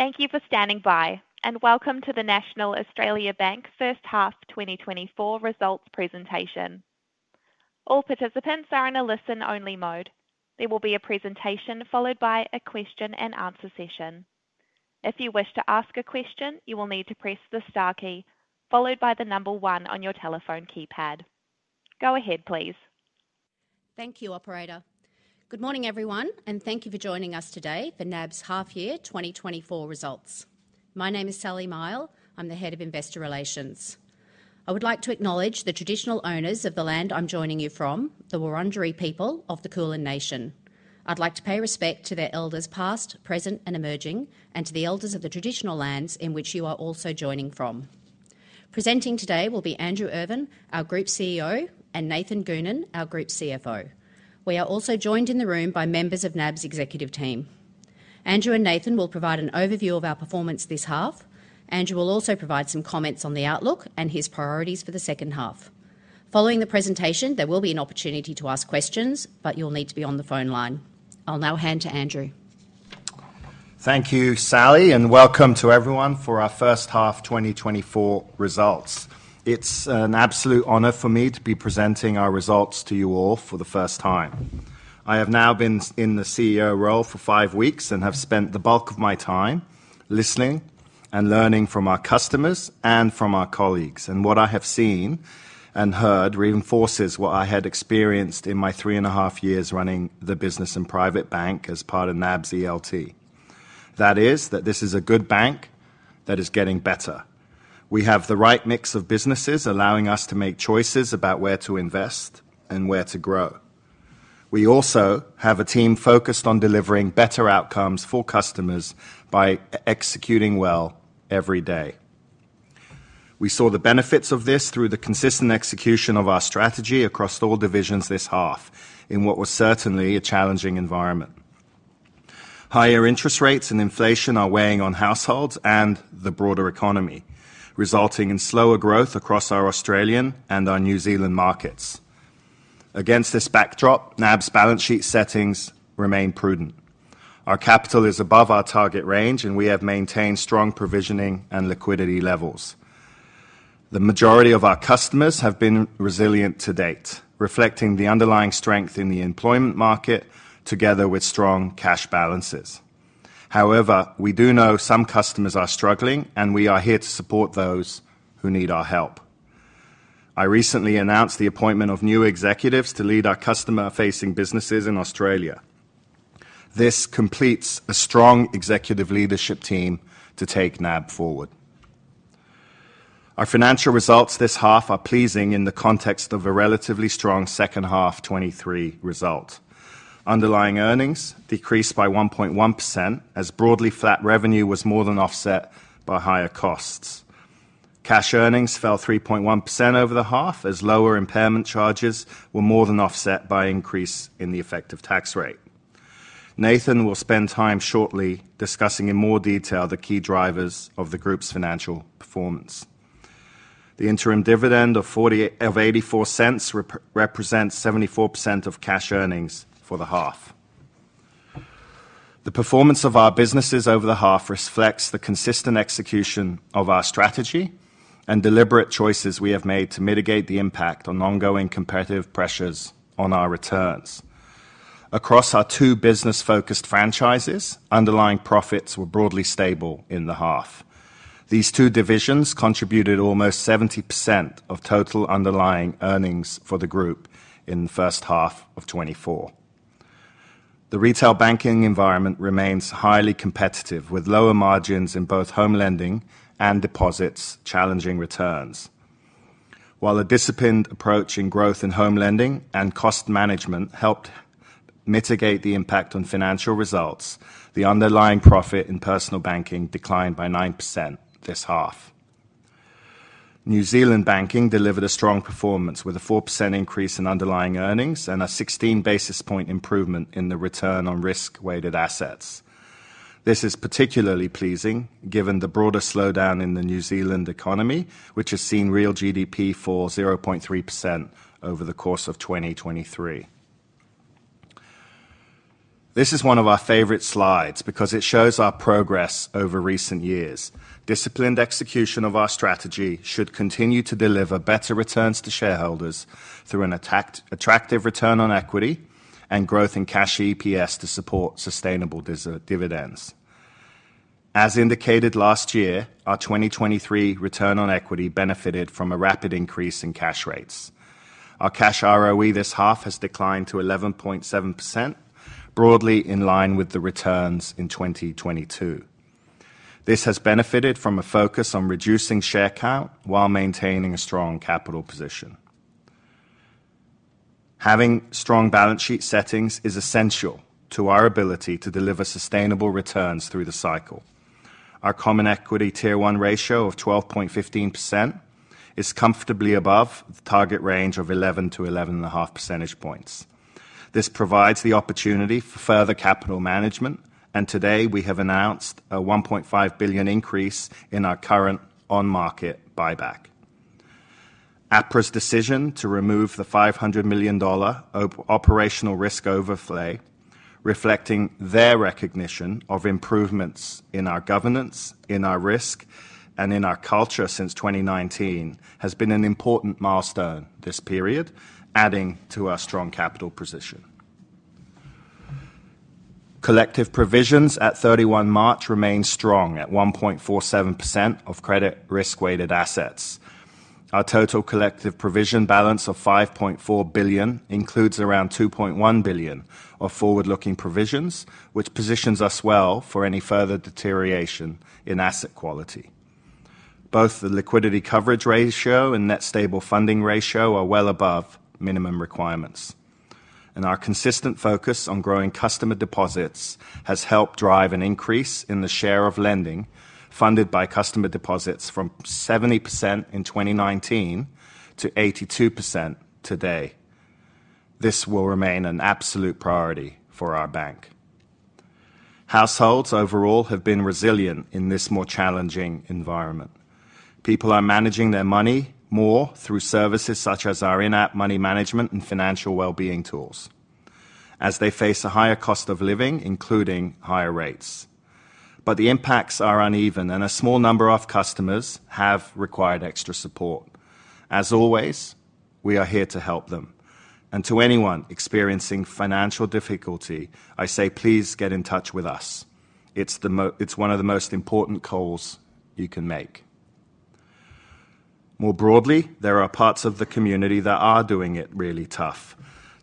Thank you for standing by, and welcome to the National Australia Bank first half 2024 results presentation. All participants are in a listen-only mode. There will be a presentation, followed by a question-and-answer session. If you wish to ask a question, you will need to press the star key, followed by the number one on your telephone keypad. Go ahead, please. Thank you, operator. Good morning, everyone, and thank you for joining us today for NAB's half-year 2024 results. My name is Sally Mihell. I'm the Head of Investor Relations. I would like to acknowledge the traditional owners of the land I'm joining you from, the Wurundjeri people of the Kulin nation. I'd like to pay respect to their elders, past, present, and emerging, and to the elders of the traditional lands in which you are also joining from. Presenting today will be Andrew Irvine, our Group CEO, and Nathan Goonan, our Group CFO. We are also joined in the room by members of NAB's executive team. Andrew and Nathan will provide an overview of our performance this half. Andrew will also provide some comments on the outlook and his priorities for the second half. Following the presentation, there will be an opportunity to ask questions, but you'll need to be on the phone line. I'll now hand to Andrew. Thank you, Sally, and welcome to everyone for our first half 2024 results. It's an absolute honor for me to be presenting our results to you all for the first time. I have now been in the CEO role for five weeks and have spent the bulk of my time listening and learning from our customers and from our colleagues. What I have seen and heard reinforces what I had experienced in my three and a half years running the business and private bank as part of NAB's ELT. That is, that this is a good bank that is getting better. We have the right mix of businesses, allowing us to make choices about where to invest and where to grow. We also have a team focused on delivering better outcomes for customers by executing well every day. We saw the benefits of this through the consistent execution of our strategy across all divisions this half, in what was certainly a challenging environment. Higher interest rates and inflation are weighing on households and the broader economy, resulting in slower growth across our Australian and our New Zealand markets. Against this backdrop, NAB's balance sheet settings remain prudent. Our capital is above our target range, and we have maintained strong provisioning and liquidity levels. The majority of our customers have been resilient to date, reflecting the underlying strength in the employment market, together with strong cash balances. However, we do know some customers are struggling, and we are here to support those who need our help. I recently announced the appointment of new executives to lead our customer-facing businesses in Australia. This completes a strong executive leadership team to take NAB forward. Our financial results this half are pleasing in the context of a relatively strong second half 2023 result. Underlying earnings decreased by 1.1%, as broadly flat revenue was more than offset by higher costs. Cash earnings fell 3.1% over the half, as lower impairment charges were more than offset by increase in the effective tax rate. Nathan will spend time shortly discussing in more detail the key drivers of the group's financial performance. The interim dividend of 0.84 represents 74% of cash earnings for the half. The performance of our businesses over the half reflects the consistent execution of our strategy and deliberate choices we have made to mitigate the impact on ongoing competitive pressures on our returns. Across our two business-focused franchises, underlying profits were broadly stable in the half. These two divisions contributed almost 70% of total underlying earnings for the group in the first half of 2024. The retail banking environment remains highly competitive, with lower margins in both home lending and deposits, challenging returns. While a disciplined approach in growth in home lending and cost management helped mitigate the impact on financial results, the underlying profit in personal banking declined by 9% this half. New Zealand banking delivered a strong performance with a 4% increase in underlying earnings and a 16 basis points improvement in the return on risk-weighted assets. This is particularly pleasing given the broader slowdown in the New Zealand economy, which has seen real GDP fall 0.3% over the course of 2023. This is one of our favorite slides because it shows our progress over recent years. Disciplined execution of our strategy should continue to deliver better returns to shareholders through an attractive return on equity and growth in cash EPS to support sustainable dividends. As indicated last year, our 2023 return on equity benefited from a rapid increase in cash rates. Our cash ROE this half has declined to 11.7%, broadly in line with the returns in 2022. This has benefited from a focus on reducing share count while maintaining a strong capital position. Having strong balance sheet settings is essential to our ability to deliver sustainable returns through the cycle. Our Common Equity Tier 1 ratio of 12.15% is comfortably above the target range of 11-11.5 percentage points. This provides the opportunity for further capital management, and today we have announced an 1.5 billion increase in our current on-market buyback. APRA's decision to remove the 500 million dollar operational risk overlay, reflecting their recognition of improvements in our governance, in our risk, and in our culture since 2019, has been an important milestone this period, adding to our strong capital position. Collective provisions at 31 March remain strong at 1.47% of credit risk-weighted assets. Our total collective provision balance of 5.4 billion includes around 2.1 billion of forward-looking provisions, which positions us well for any further deterioration in asset quality. Both the liquidity coverage ratio and net stable funding ratio are well above minimum requirements, and our consistent focus on growing customer deposits has helped drive an increase in the share of lending funded by customer deposits from 70% in 2019 to 82% today. This will remain an absolute priority for our bank. Households overall have been resilient in this more challenging environment. People are managing their money more through services such as our in-app money management and financial well-being tools, as they face a higher cost of living, including higher rates. But the impacts are uneven, and a small number of customers have required extra support. As always, we are here to help them, and to anyone experiencing financial difficulty, I say, please get in touch with us. It's one of the most important calls you can make. More broadly, there are parts of the community that are doing it really tough.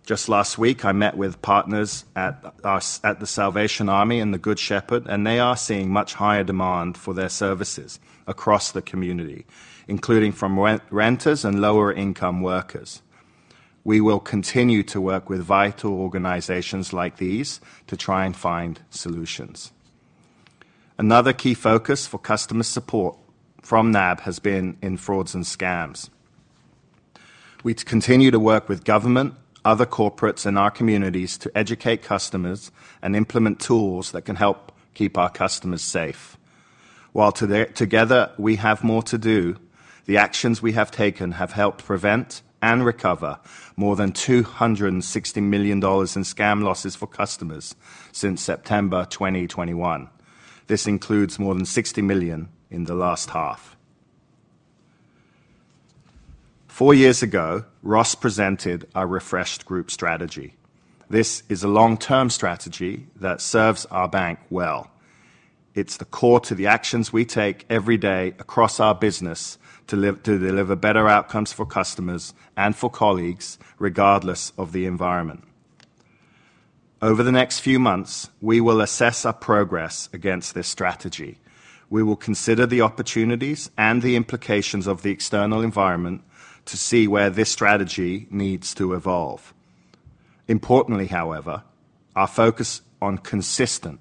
Just last week, I met with partners at the Salvation Army and the Good Shepherd, and they are seeing much higher demand for their services across the community, including from renters and lower-income workers. We will continue to work with vital organizations like these to try and find solutions. Another key focus for customer support from NAB has been in frauds and scams. We continue to work with government, other corporates, and our communities to educate customers and implement tools that can help keep our customers safe. While together, we have more to do, the actions we have taken have helped prevent and recover more than 260 million dollars in scam losses for customers since September 2021. This includes more than 60 million in the last half. Four years ago, Ross presented a refreshed group strategy. This is a long-term strategy that serves our bank well. It's the core to the actions we take every day across our business to deliver better outcomes for customers and for colleagues, regardless of the environment. Over the next few months, we will assess our progress against this strategy. We will consider the opportunities and the implications of the external environment to see where this strategy needs to evolve. Importantly, however, our focus on consistent,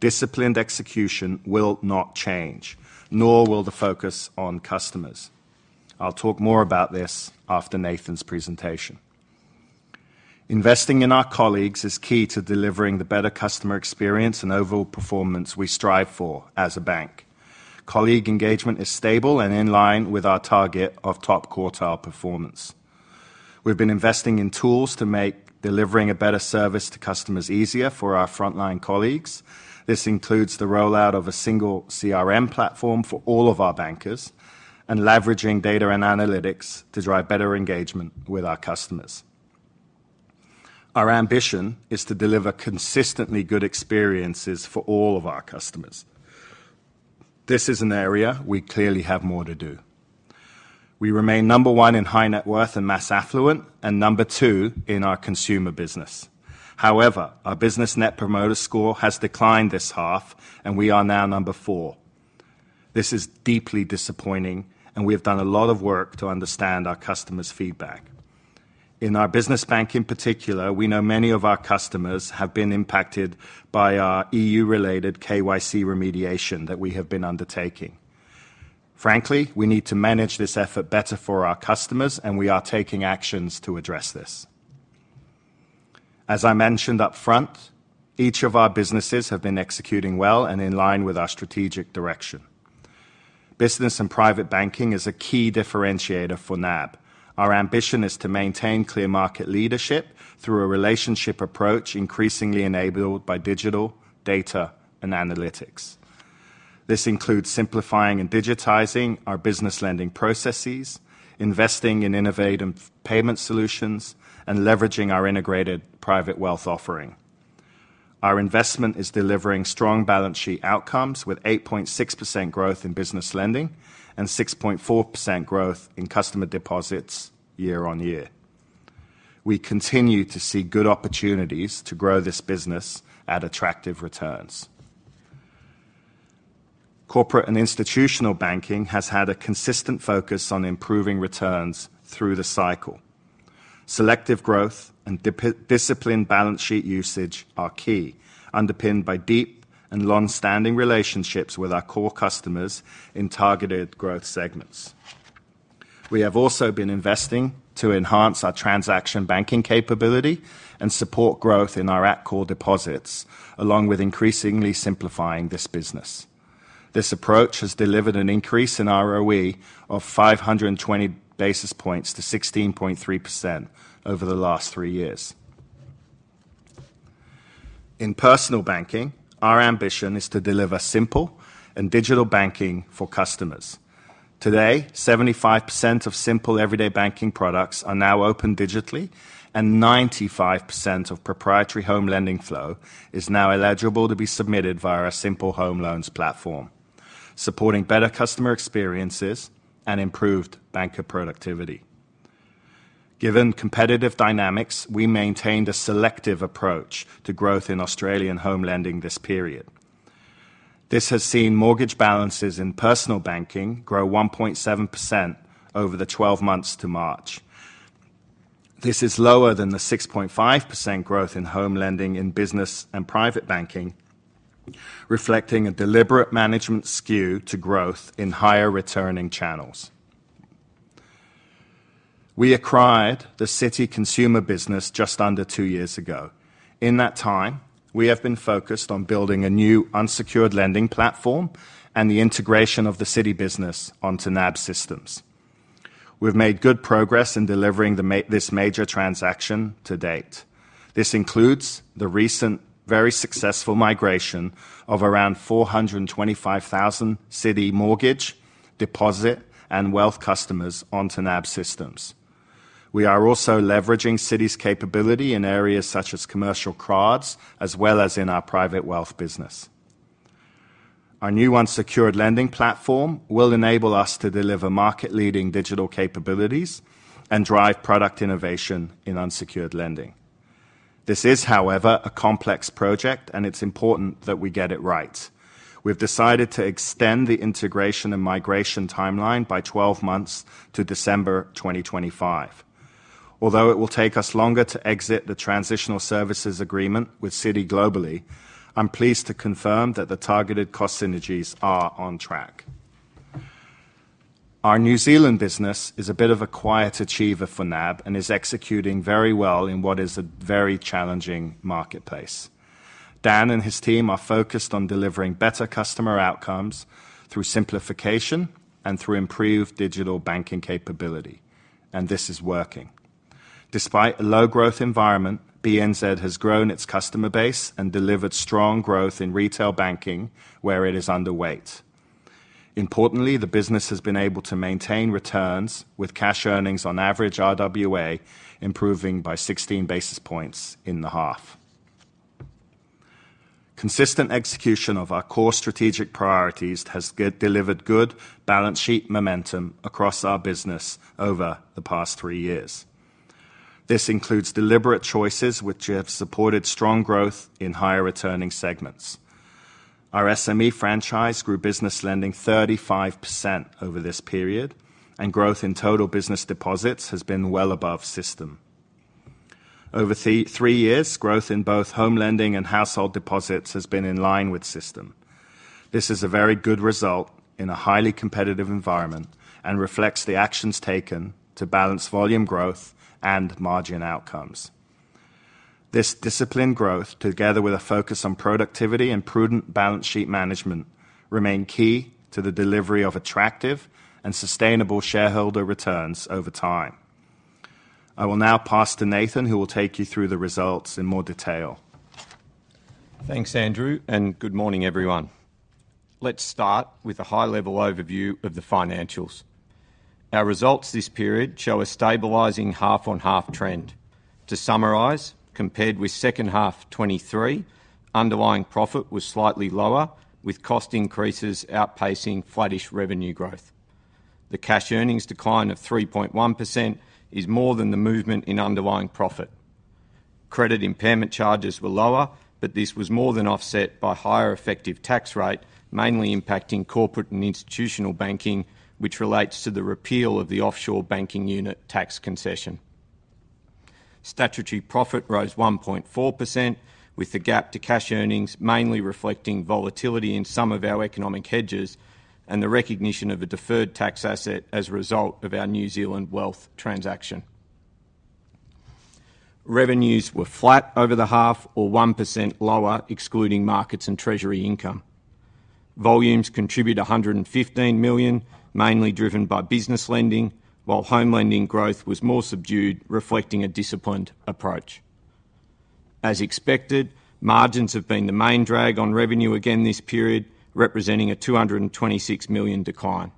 disciplined execution will not change, nor will the focus on customers. I'll talk more about this after Nathan's presentation. Investing in our colleagues is key to delivering the better customer experience and overall performance we strive for as a bank. Colleague engagement is stable and in line with our target of top-quartile performance. We've been investing in tools to make delivering a better service to customers easier for our frontline colleagues. This includes the rollout of a single CRM platform for all of our bankers and leveraging data and analytics to drive better engagement with our customers. Our ambition is to deliver consistently good experiences for all of our customers. This is an area we clearly have more to do. We remain number one in high net worth and mass affluent, and number two in our consumer business. However, our business Net Promoter Score has declined this half, and we are now number four. This is deeply disappointing, and we have done a lot of work to understand our customers' feedback. In our business bank, in particular, we know many of our customers have been impacted by our EU-related KYC remediation that we have been undertaking. Frankly, we need to manage this effort better for our customers, and we are taking actions to address this. As I mentioned up front, each of our businesses have been executing well and in line with our strategic direction. Business and Private Banking is a key differentiator for NAB. Our ambition is to maintain clear market leadership through a relationship approach, increasingly enabled by digital, data, and analytics. This includes simplifying and digitizing our business lending processes, investing in innovative payment solutions, and leveraging our integrated private wealth offering. Our investment is delivering strong balance sheet outcomes, with 8.6% growth in business lending and 6.4% growth in customer deposits year-on-year. We continue to see good opportunities to grow this business at attractive returns. Corporate and institutional banking has had a consistent focus on improving returns through the cycle. Selective growth and disciplined balance sheet usage are key, underpinned by deep and long-standing relationships with our core customers in targeted growth segments. We have also been investing to enhance our transaction banking capability and support growth in our at-core deposits, along with increasingly simplifying this business. This approach has delivered an increase in ROE of 520 basis points to 16.3% over the last three years. In personal banking, our ambition is to deliver simple and digital banking for customers. Today, 75% of simple everyday banking products are now open digitally, and 95% of proprietary home lending flow is now eligible to be submitted via our Simple Home Loans platform, supporting better customer experiences and improved banker productivity. Given competitive dynamics, we maintained a selective approach to growth in Australian home lending this period. This has seen mortgage balances in personal banking grow 1.7% over the 12 months to March. This is lower than the 6.5% growth in home lending in Business and Private Banking, reflecting a deliberate management skew to growth in higher-returning channels. We acquired the Citi Consumer business just under two years ago. In that time, we have been focused on building a new unsecured lending platform and the integration of the Citi business onto NAB systems. We've made good progress in delivering this major transaction to date. This includes the recent very successful migration of around 425,000 Citi mortgage, deposit, and wealth customers onto NAB systems. We are also leveraging Citi's capability in areas such as commercial cards, as well as in our private wealth business. Our new unsecured lending platform will enable us to deliver market-leading digital capabilities and drive product innovation in unsecured lending. This is, however, a complex project, and it's important that we get it right. We've decided to extend the integration and migration timeline by 12 months to December 2025. Although it will take us longer to exit the transitional services agreement with Citi globally, I'm pleased to confirm that the targeted cost synergies are on track. Our New Zealand business is a bit of a quiet achiever for NAB and is executing very well in what is a very challenging marketplace. Dan and his team are focused on delivering better customer outcomes through simplification and through improved digital banking capability, and this is working. Despite a low growth environment, BNZ has grown its customer base and delivered strong growth in retail banking, where it is underweight. Importantly, the business has been able to maintain returns with cash earnings on average RWA, improving by 16 basis points in the half. Consistent execution of our core strategic priorities has delivered good balance sheet momentum across our business over the past three years. This includes deliberate choices, which have supported strong growth in higher-returning segments. Our SME franchise grew business lending 35% over this period, and growth in total business deposits has been well above system. Over the three years, growth in both home lending and household deposits has been in line with system. This is a very good result in a highly competitive environment and reflects the actions taken to balance volume growth and margin outcomes. This disciplined growth, together with a focus on productivity and prudent balance sheet management, remain key to the delivery of attractive and sustainable shareholder returns over time. I will now pass to Nathan, who will take you through the results in more detail. Thanks, Andrew, and good morning, everyone. Let's start with a high-level overview of the financials. Our results this period show a stabilizing half-on-half trend. To summarize, compared with second half 2023, underlying profit was slightly lower, with cost increases outpacing flattish revenue growth. The cash earnings decline of 3.1% is more than the movement in underlying profit. Credit impairment charges were lower, but this was more than offset by higher effective tax rate, mainly impacting corporate and institutional banking, which relates to the repeal of the offshore banking unit tax concession. Statutory profit rose 1.4%, with the gap to cash earnings mainly reflecting volatility in some of our economic hedges and the recognition of a deferred tax asset as a result of our New Zealand wealth transaction. Revenues were flat over the half or 1% lower, excluding markets and treasury income. Volumes contribute 115 million, mainly driven by business lending, while home lending growth was more subdued, reflecting a disciplined approach. As expected, margins have been the main drag on revenue again this period, representing a 226 million decline.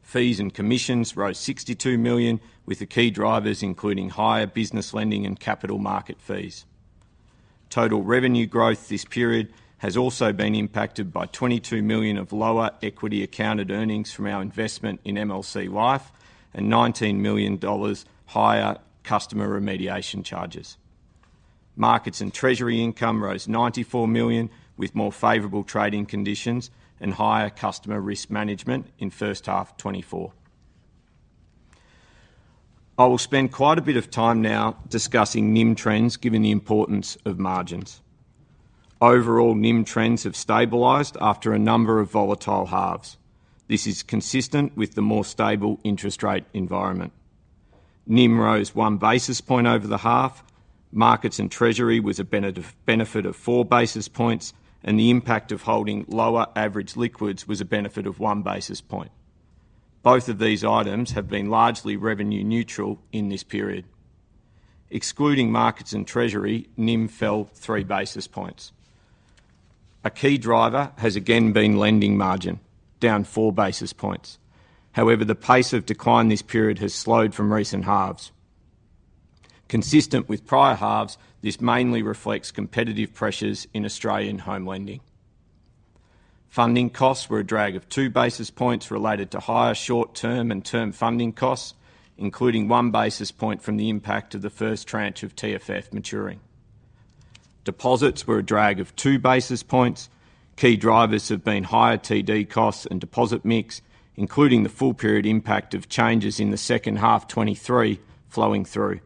Fees and commissions rose 62 million, with the key drivers including higher business lending and capital market fees. Total revenue growth this period has also been impacted by 22 million of lower equity accounted earnings from our investment in MLC Life and 19 million dollars higher customer remediation charges. Markets and treasury income rose 94 million, with more favorable trading conditions and higher customer risk management in first half 2024. I will spend quite a bit of time now discussing NIM trends, given the importance of margins. Overall, NIM trends have stabilized after a number of volatile halves. This is consistent with the more stable interest rate environment. NIM rose 1 basis point over the half. Markets and treasury was a benefit of 4 basis points, and the impact of holding lower average liquids was a benefit of 1 basis point. Both of these items have been largely revenue neutral in this period. Excluding markets and treasury, NIM fell 3 basis points. A key driver has again been lending margin, down 4 basis points. However, the pace of decline this period has slowed from recent halves. Consistent with prior halves, this mainly reflects competitive pressures in Australian home lending. Funding costs were a drag of 2 basis points related to higher short-term and term funding costs, including 1 basis point from the impact of the first tranche of TFF maturing. Deposits were a drag of 2 basis points. Key drivers have been higher TD costs and deposit mix, including the full period impact of changes in the second half 2023 flowing through.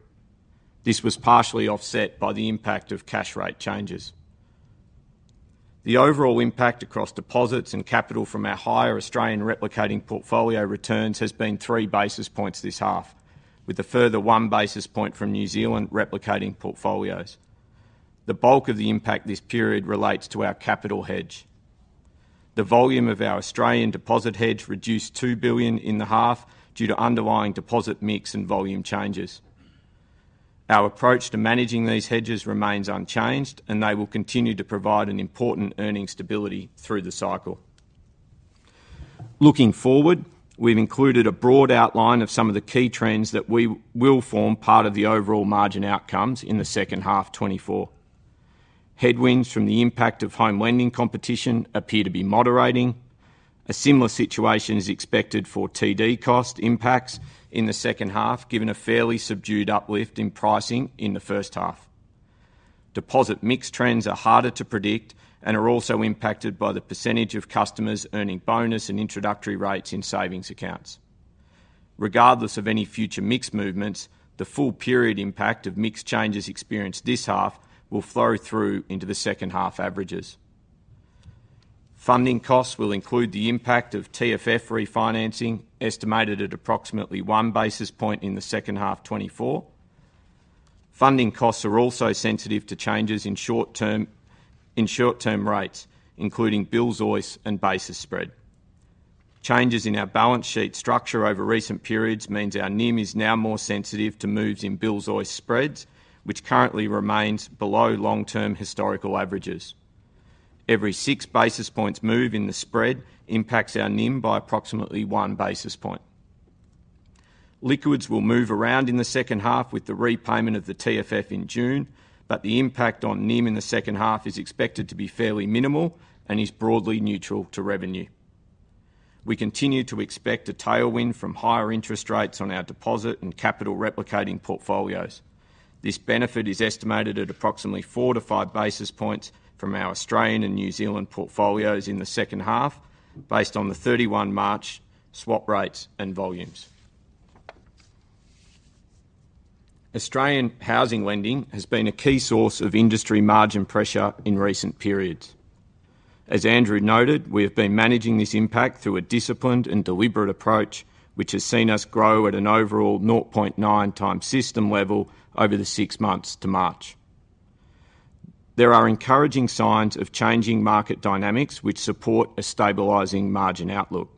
This was partially offset by the impact of cash rate changes. The overall impact across deposits and capital from our higher Australian replicating portfolio returns has been 3 basis points this half, with a further 1 basis point from New Zealand replicating portfolios. The bulk of the impact this period relates to our capital hedge. The volume of our Australian deposit hedge reduced 2 billion in the half due to underlying deposit mix and volume changes. Our approach to managing these hedges remains unchanged, and they will continue to provide an important earning stability through the cycle. Looking forward, we've included a broad outline of some of the key trends that we will form part of the overall margin outcomes in the second half 2024. Headwinds from the impact of home lending competition appear to be moderating. A similar situation is expected for TD cost impacts in the second half, given a fairly subdued uplift in pricing in the first half. Deposit mix trends are harder to predict and are also impacted by the percentage of customers earning bonus and introductory rates in savings accounts. Regardless of any future mix movements, the full period impact of mix changes experienced this half will flow through into the second-half averages. Funding costs will include the impact of TFF refinancing, estimated at approximately one basis point in the second half 2024. Funding costs are also sensitive to changes in short-term rates, including Bills-OIS and basis spread. Changes in our balance sheet structure over recent periods means our NIM is now more sensitive to moves in Bills-OIS spreads, which currently remains below long-term historical averages. Every six basis points move in the spread impacts our NIM by approximately one basis point. Liquids will move around in the second half with the repayment of the TFF in June, but the impact on NIM in the second half is expected to be fairly minimal and is broadly neutral to revenue. We continue to expect a tailwind from higher interest rates on our deposit and capital replicating portfolios. This benefit is estimated at approximately 4-5 basis points from our Australian and New Zealand portfolios in the second half, based on the 31 March swap rates and volumes. Australian housing lending has been a key source of industry margin pressure in recent periods. As Andrew noted, we have been managing this impact through a disciplined and deliberate approach, which has seen us grow at an overall 0.9x system level over the six months to March. There are encouraging signs of changing market dynamics, which support a stabilizing margin outlook.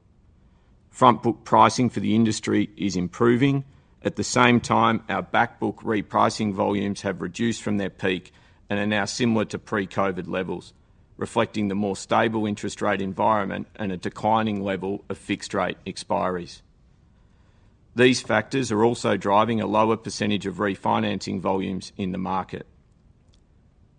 Front-book pricing for the industry is improving. At the same time, our back-book repricing volumes have reduced from their peak and are now similar to pre-COVID levels, reflecting the more stable interest rate environment and a declining level of fixed-rate expiries. These factors are also driving a lower percentage of refinancing volumes in the market.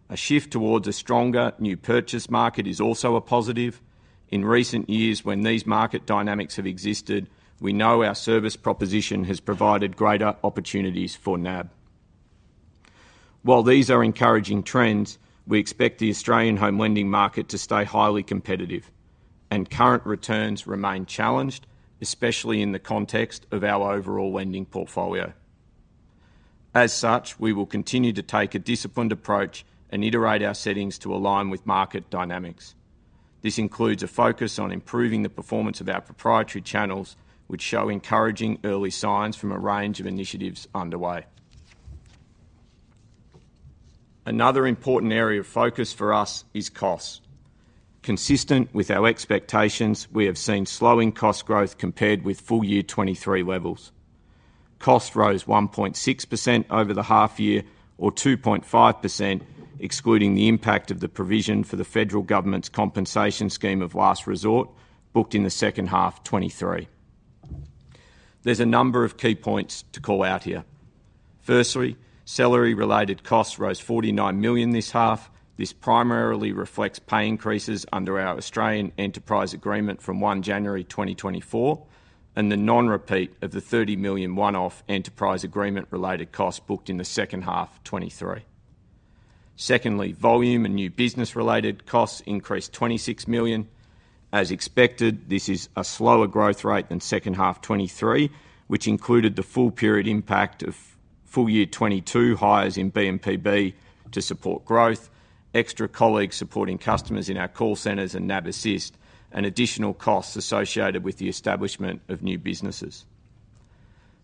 A shift towards a stronger new purchase market is also a positive. In recent years, when these market dynamics have existed, we know our service proposition has provided greater opportunities for NAB. While these are encouraging trends, we expect the Australian home lending market to stay highly competitive, and current returns remain challenged, especially in the context of our overall lending portfolio. As such, we will continue to take a disciplined approach and iterate our settings to align with market dynamics. This includes a focus on improving the performance of our proprietary channels, which show encouraging early signs from a range of initiatives underway. Another important area of focus for us is costs. Consistent with our expectations, we have seen slowing cost growth compared with full year 2023 levels. Costs rose 1.6% over the half year, or 2.5%, excluding the impact of the provision for the federal government's Compensation Scheme of Last Resort, booked in the second half 2023. There's a number of key points to call out here. Firstly, salary-related costs rose 49 million this half. This primarily reflects pay increases under our Australian Enterprise Agreement from 1 January 2024, and the non-repeat of the 30 million one-off enterprise agreement-related costs booked in the second half 2023. Secondly, volume and new business-related costs increased 26 million. As expected, this is a slower growth rate than second half 2023, which included the full period impact of full year 2022 hires in B&PB to support growth, extra colleagues supporting customers in our call centers and NAB Assist, and additional costs associated with the establishment of new businesses.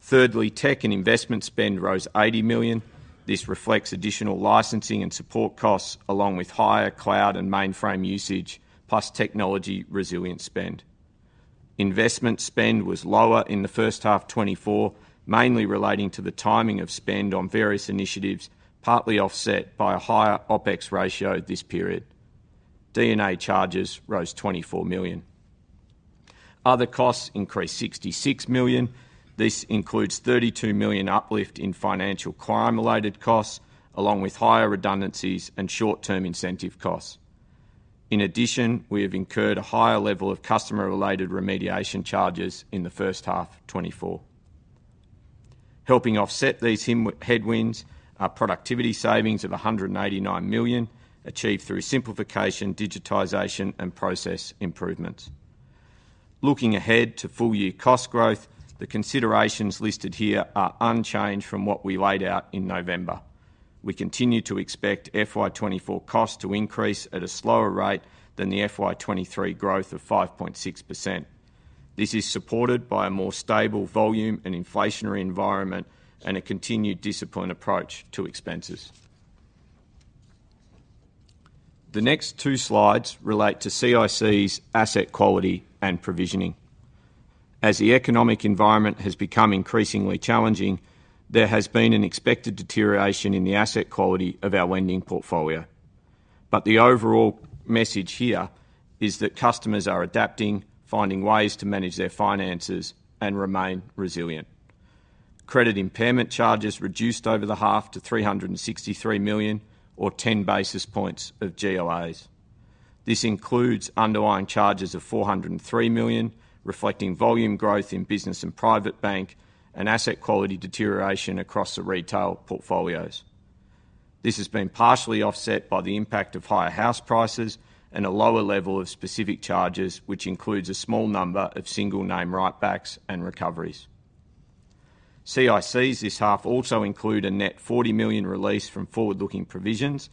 Thirdly, tech and investment spend rose 80 million. This reflects additional licensing and support costs, along with higher cloud and mainframe usage, plus technology resilience spend. Investment spend was lower in the first half 2024, mainly relating to the timing of spend on various initiatives, partly offset by a higher OpEx ratio this period. D&A charges rose 24 million. Other costs increased 66 million. This includes 32 million uplift in financial crime-related costs, along with higher redundancies and short-term incentive costs. In addition, we have incurred a higher level of customer-related remediation charges in the first half 2024. Helping offset these headwinds are productivity savings of 189 million, achieved through simplification, digitization, and process improvements. Looking ahead to full-year cost growth, the considerations listed here are unchanged from what we laid out in November. We continue to expect FY 2024 costs to increase at a slower rate than the FY 2023 growth of 5.6%. This is supported by a more stable volume and inflationary environment and a continued disciplined approach to expenses. The next two slides relate to CICs asset quality and provisioning. As the economic environment has become increasingly challenging, there has been an expected deterioration in the asset quality of our lending portfolio. But the overall message here is that customers are adapting, finding ways to manage their finances, and remain resilient. Credit impairment charges reduced over the half to 363 million, or 10 basis points of GLAs. This includes underlying charges of 403 million, reflecting volume growth in business and private bank and asset quality deterioration across the retail portfolios. This has been partially offset by the impact of higher house prices and a lower level of specific charges, which includes a small number of single name write backs and recoveries. CICs this half also include a net 40 million release from forward-looking provisions,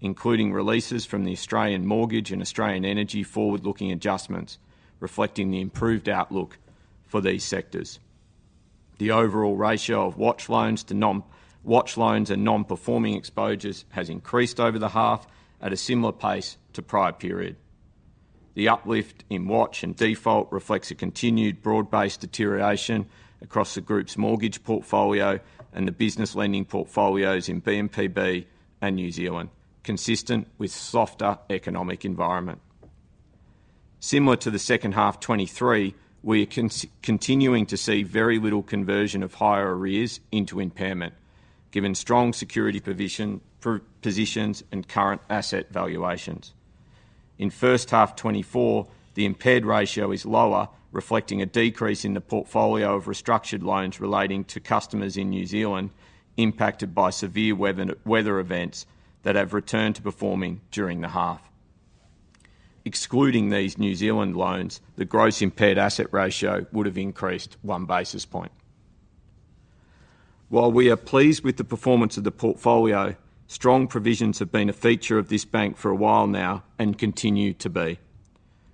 including releases from the Australian Mortgage and Australian Energy forward-looking adjustments, reflecting the improved outlook for these sectors. The overall ratio of watch loans to non-watch loans and non-performing exposures has increased over the half at a similar pace to prior period. The uplift in watch and default reflects a continued broad-based deterioration across the group's mortgage portfolio and the business lending portfolios in BMPB and New Zealand, consistent with softer economic environment. Similar to the second half 2023, we are continuing to see very little conversion of higher arrears into impairment, given strong security provision, positions and current asset valuations. In first half 2024, the impaired ratio is lower, reflecting a decrease in the portfolio of restructured loans relating to customers in New Zealand, impacted by severe weather, weather events that have returned to performing during the half. Excluding these New Zealand loans, the gross impaired asset ratio would have increased 1 basis point. While we are pleased with the performance of the portfolio, strong provisions have been a feature of this bank for a while now and continue to be.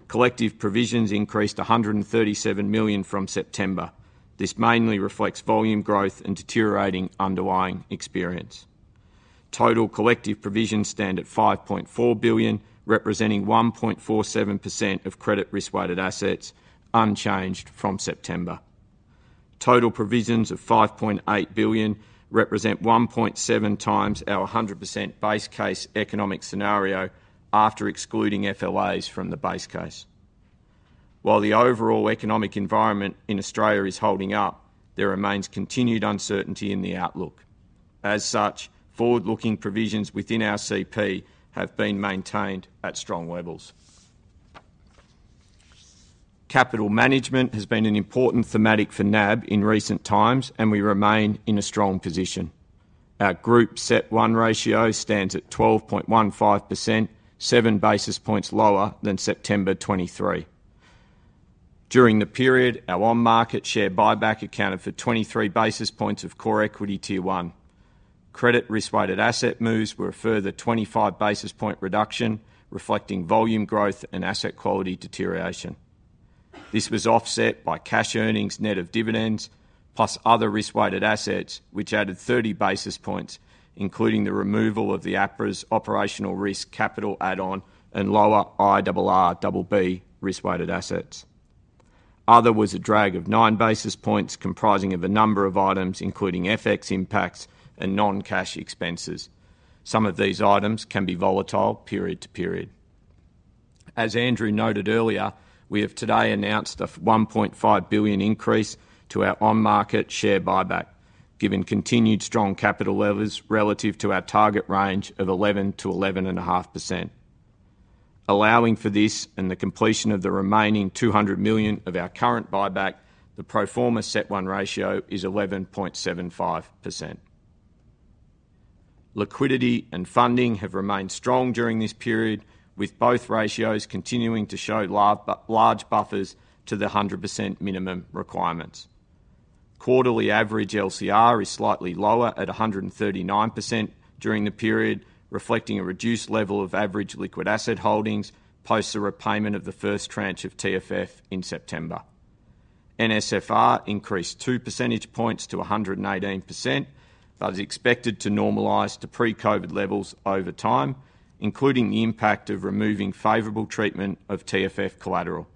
Collective provisions increased 137 million from September. This mainly reflects volume growth and deteriorating underlying experience. Total collective provisions stand at 5.4 billion, representing 1.47% of credit risk-weighted assets, unchanged from September. Total provisions of 5.8 billion represent 1.7x our 100% base case economic scenario after excluding FLAs from the base case. While the overall economic environment in Australia is holding up, there remains continued uncertainty in the outlook. As such, forward-looking provisions within our CP have been maintained at strong levels. Capital management has been an important thematic for NAB in recent times, and we remain in a strong position. Our group CET1 ratio stands at 12.15%, 7 basis points lower than September 2023. During the period, our on-market share buyback accounted for 23 basis points of Core Equity Tier 1. Credit risk-weighted asset moves were a further 25 basis point reduction, reflecting volume growth and asset quality deterioration. This was offset by cash earnings net of dividends, plus other risk-weighted assets, which added 30 basis points, including the removal of the APRA's operational risk capital add-on and lower IRRBB risk-weighted assets. Other was a drag of 9 basis points, comprising of a number of items, including FX impacts and non-cash expenses. Some of these items can be volatile period to period. As Andrew noted earlier, we have today announced a 1.5 billion increase to our on-market share buyback, given continued strong capital levels relative to our target range of 11%-11.5%. Allowing for this and the completion of the remaining 200 million of our current buyback, the pro forma CET1 ratio is 11.75%. Liquidity and funding have remained strong during this period, with both ratios continuing to show large buffers to the 100% minimum requirements. Quarterly average LCR is slightly lower at 139% during the period, reflecting a reduced level of average liquid asset holdings, post the repayment of the first tranche of TFF in September. NSFR increased 2 percentage points to 118%, but is expected to normalize to pre-COVID levels over time, including the impact of removing favorable treatment of TFF collateral.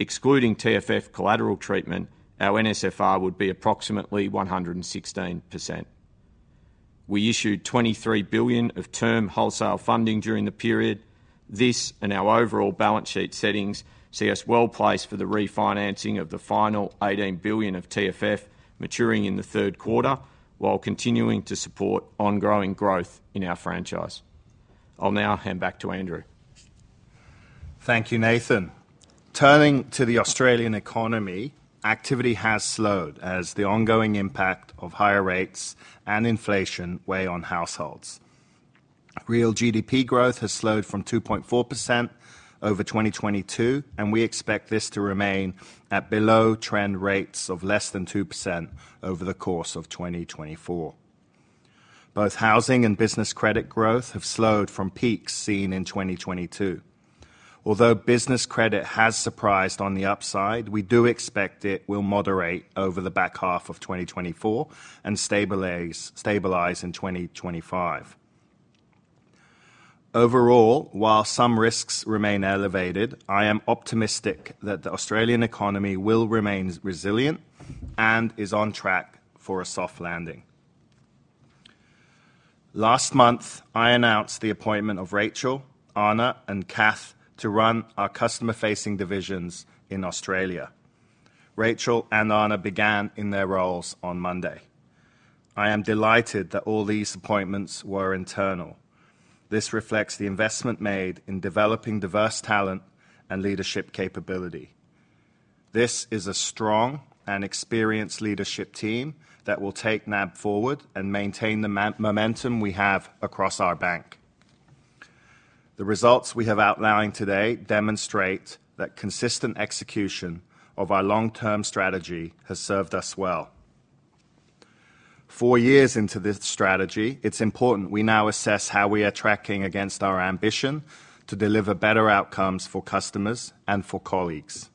Excluding TFF collateral treatment, our NSFR would be approximately 116%. We issued 23 billion of term wholesale funding during the period. This, and our overall balance sheet settings, see us well-placed for the refinancing of the final AUD 18 billion of TFF maturing in the third quarter, while continuing to support ongoing growth in our franchise. I'll now hand back to Andrew. Thank you, Nathan. Turning to the Australian economy, activity has slowed as the ongoing impact of higher rates and inflation weigh on households. Real GDP growth has slowed from 2.4% over 2022, and we expect this to remain at below-trend rates of less than 2% over the course of 2024. Both housing and business credit growth have slowed from peaks seen in 2022. Although business credit has surprised on the upside, we do expect it will moderate over the back half of 2024 and stabilize in 2025. Overall, while some risks remain elevated, I am optimistic that the Australian economy will remain as resilient and is on track for a soft landing. Last month, I announced the appointment of Rachel, Ana, and Cath to run our customer-facing divisions in Australia. Rachel and Ana began in their roles on Monday. I am delighted that all these appointments were internal. This reflects the investment made in developing diverse talent and leadership capability. This is a strong and experienced leadership team that will take NAB forward and maintain the momentum we have across our bank. The results we have outlining today demonstrate that consistent execution of our long-term strategy has served us well. Four years into this strategy, it's important we now assess how we are tracking against our ambition to deliver better outcomes for customers and for colleagues.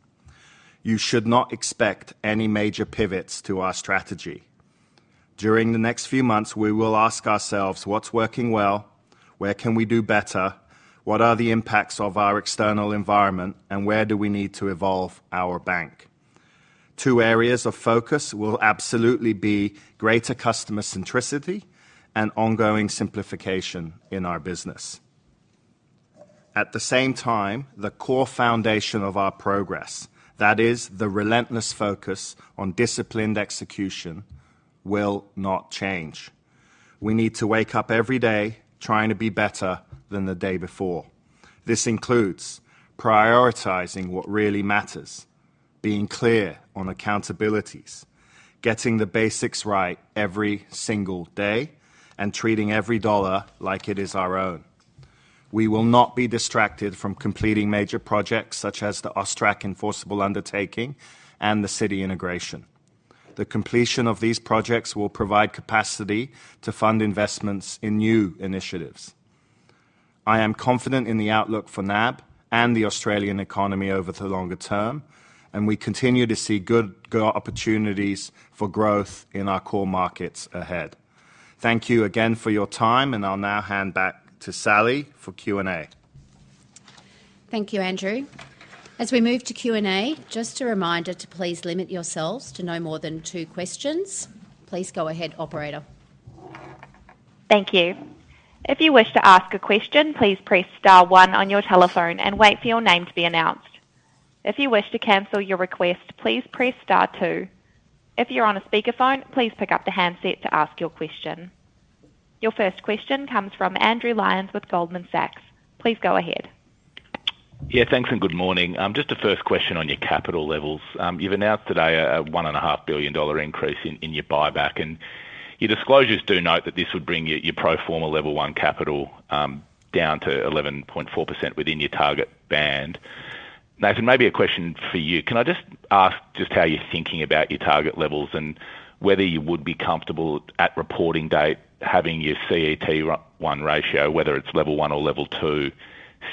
You should not expect any major pivots to our strategy. During the next few months, we will ask ourselves: what's working well? Where can we do better? What are the impacts of our external environment, and where do we need to evolve our bank? Two areas of focus will absolutely be greater customer centricity and ongoing simplification in our business. At the same time, the core foundation of our progress, that is, the relentless focus on disciplined execution, will not change. We need to wake up every day trying to be better than the day before. This includes prioritizing what really matters, being clear on accountabilities, getting the basics right every single day, and treating every dollar like it is our own. We will not be distracted from completing major projects, such as the AUSTRAC Enforceable Undertaking and the Citi integration. The completion of these projects will provide capacity to fund investments in new initiatives. I am confident in the outlook for NAB and the Australian economy over the longer term, and we continue to see good opportunities for growth in our core markets ahead. Thank you again for your time, and I'll now hand back to Sally for Q&A. Thank you, Andrew. As we move to Q&A, just a reminder to please limit yourselves to no more than two questions. Please go ahead, operator. Thank you. If you wish to ask a question, please press star one on your telephone and wait for your name to be announced. If you wish to cancel your request, please press star two. If you're on a speakerphone, please pick up the handset to ask your question. Your first question comes from Andrew Lyons with Goldman Sachs. Please go ahead. Yeah, thanks, and good morning. Just a first question on your capital levels. You've announced today a 1.5 billion dollar increase in your buyback, and your disclosures do note that this would bring your pro forma Level 1 capital down to 11.4% within your target band. Nathan, maybe a question for you. Can I just ask just how you're thinking about your target levels and whether you would be comfortable at reporting date, having your CET1 ratio, whether it's Level 1 or Level 2,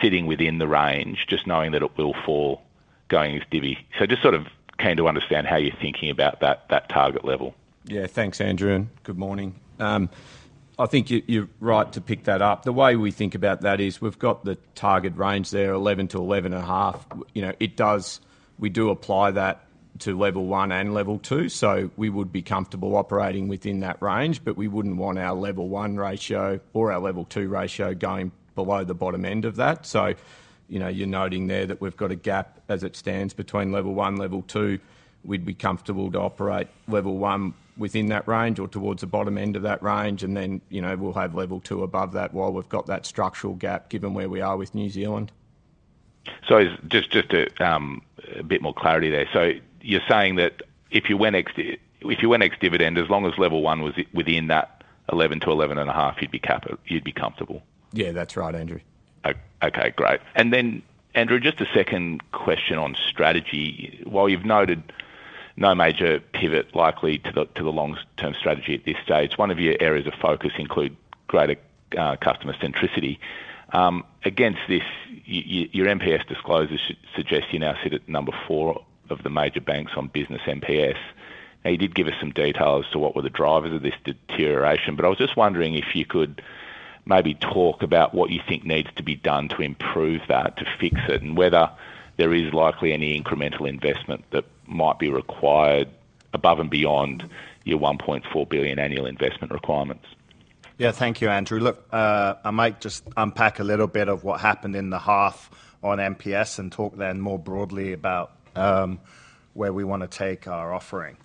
sitting within the range, just knowing that it will fall going as divvy? So just sort of keen to understand how you're thinking about that target level? Yeah. Thanks, Andrew, and good morning. I think you're right to pick that up. The way we think about that is, we've got the target range there, 11-11.5. You know, it does. We do apply that to Level 1 and Level 2, so we would be comfortable operating within that range. But we wouldn't want our Level 1 ratio or our Level 2 ratio going below the bottom end of that. So, you know, you're noting there that we've got a gap as it stands between Level 1, Level 2. We'd be comfortable to operate Level I within that range or towards the bottom end of that range, and then, you know, we'll have Level 2 above that while we've got that structural gap, given where we are with New Zealand. So just to a bit more clarity there. So you're saying that if you went ex-dividend, as long as Level 1 was within that 11-11.5, you'd be comfortable? Yeah, that's right, Andrew. Okay, great. Andrew, just a second question on strategy. While you've noted no major pivot likely to the long-term strategy at this stage, one of your areas of focus include greater customer centricity. Against this, your NPS disclosures suggest you now sit at number four of the major banks on business NPS. Now, you did give us some details to what were the drivers of this deterioration, but I was just wondering if you could maybe talk about what you think needs to be done to improve that, to fix it, and whether there is likely any incremental investment that might be required above and beyond your 1.4 billion annual investment requirements. Yeah. Thank you, Andrew. Look, I might just unpack a little bit of what happened in the half on NPS and talk then more broadly about where we want to take our offering.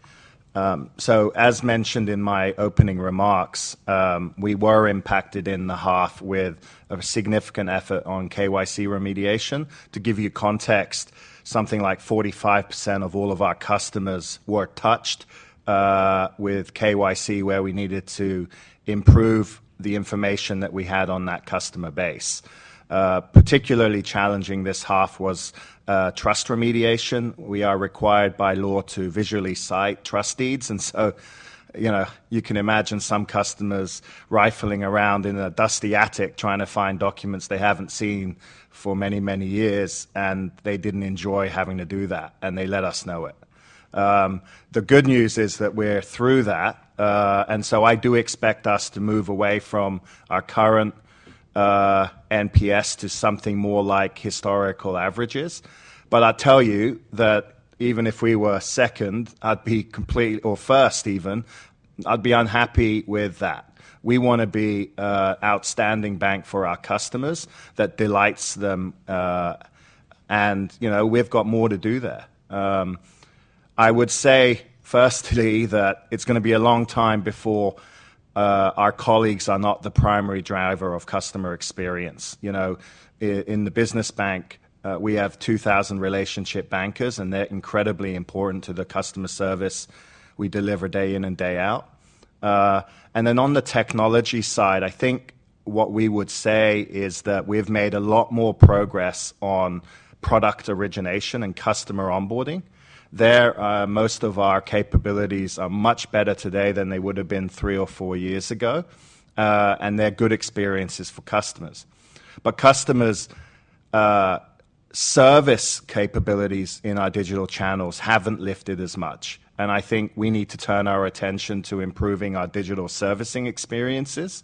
So as mentioned in my opening remarks, we were impacted in the half with a significant effort on KYC remediation. To give you context, something like 45% of all of our customers were touched with KYC, where we needed to improve the information that we had on that customer base. Particularly challenging this half was trust remediation. We are required by law to visually cite trust deeds, and so, you know, you can imagine some customers rifling around in a dusty attic trying to find documents they haven't seen for many, many years, and they didn't enjoy having to do that, and they let us know it. The good news is that we're through that, and so I do expect us to move away from our current, NPS to something more like historical averages. But I'll tell you that even if we were second, I'd be complete-- or first even, I'd be unhappy with that. We wanna be a outstanding bank for our customers that delights them, and, you know, we've got more to do there. I would say, firstly, that it's gonna be a long time before, our colleagues are not the primary driver of customer experience. You know, in the business bank, we have 2,000 relationship bankers, and they're incredibly important to the customer service we deliver day in and day out. And then on the technology side, I think what we would say is that we've made a lot more progress on product origination and customer onboarding. There, most of our capabilities are much better today than they would have been three or four years ago, and they're good experiences for customers. But customer service capabilities in our digital channels haven't lifted as much, and I think we need to turn our attention to improving our digital servicing experiences,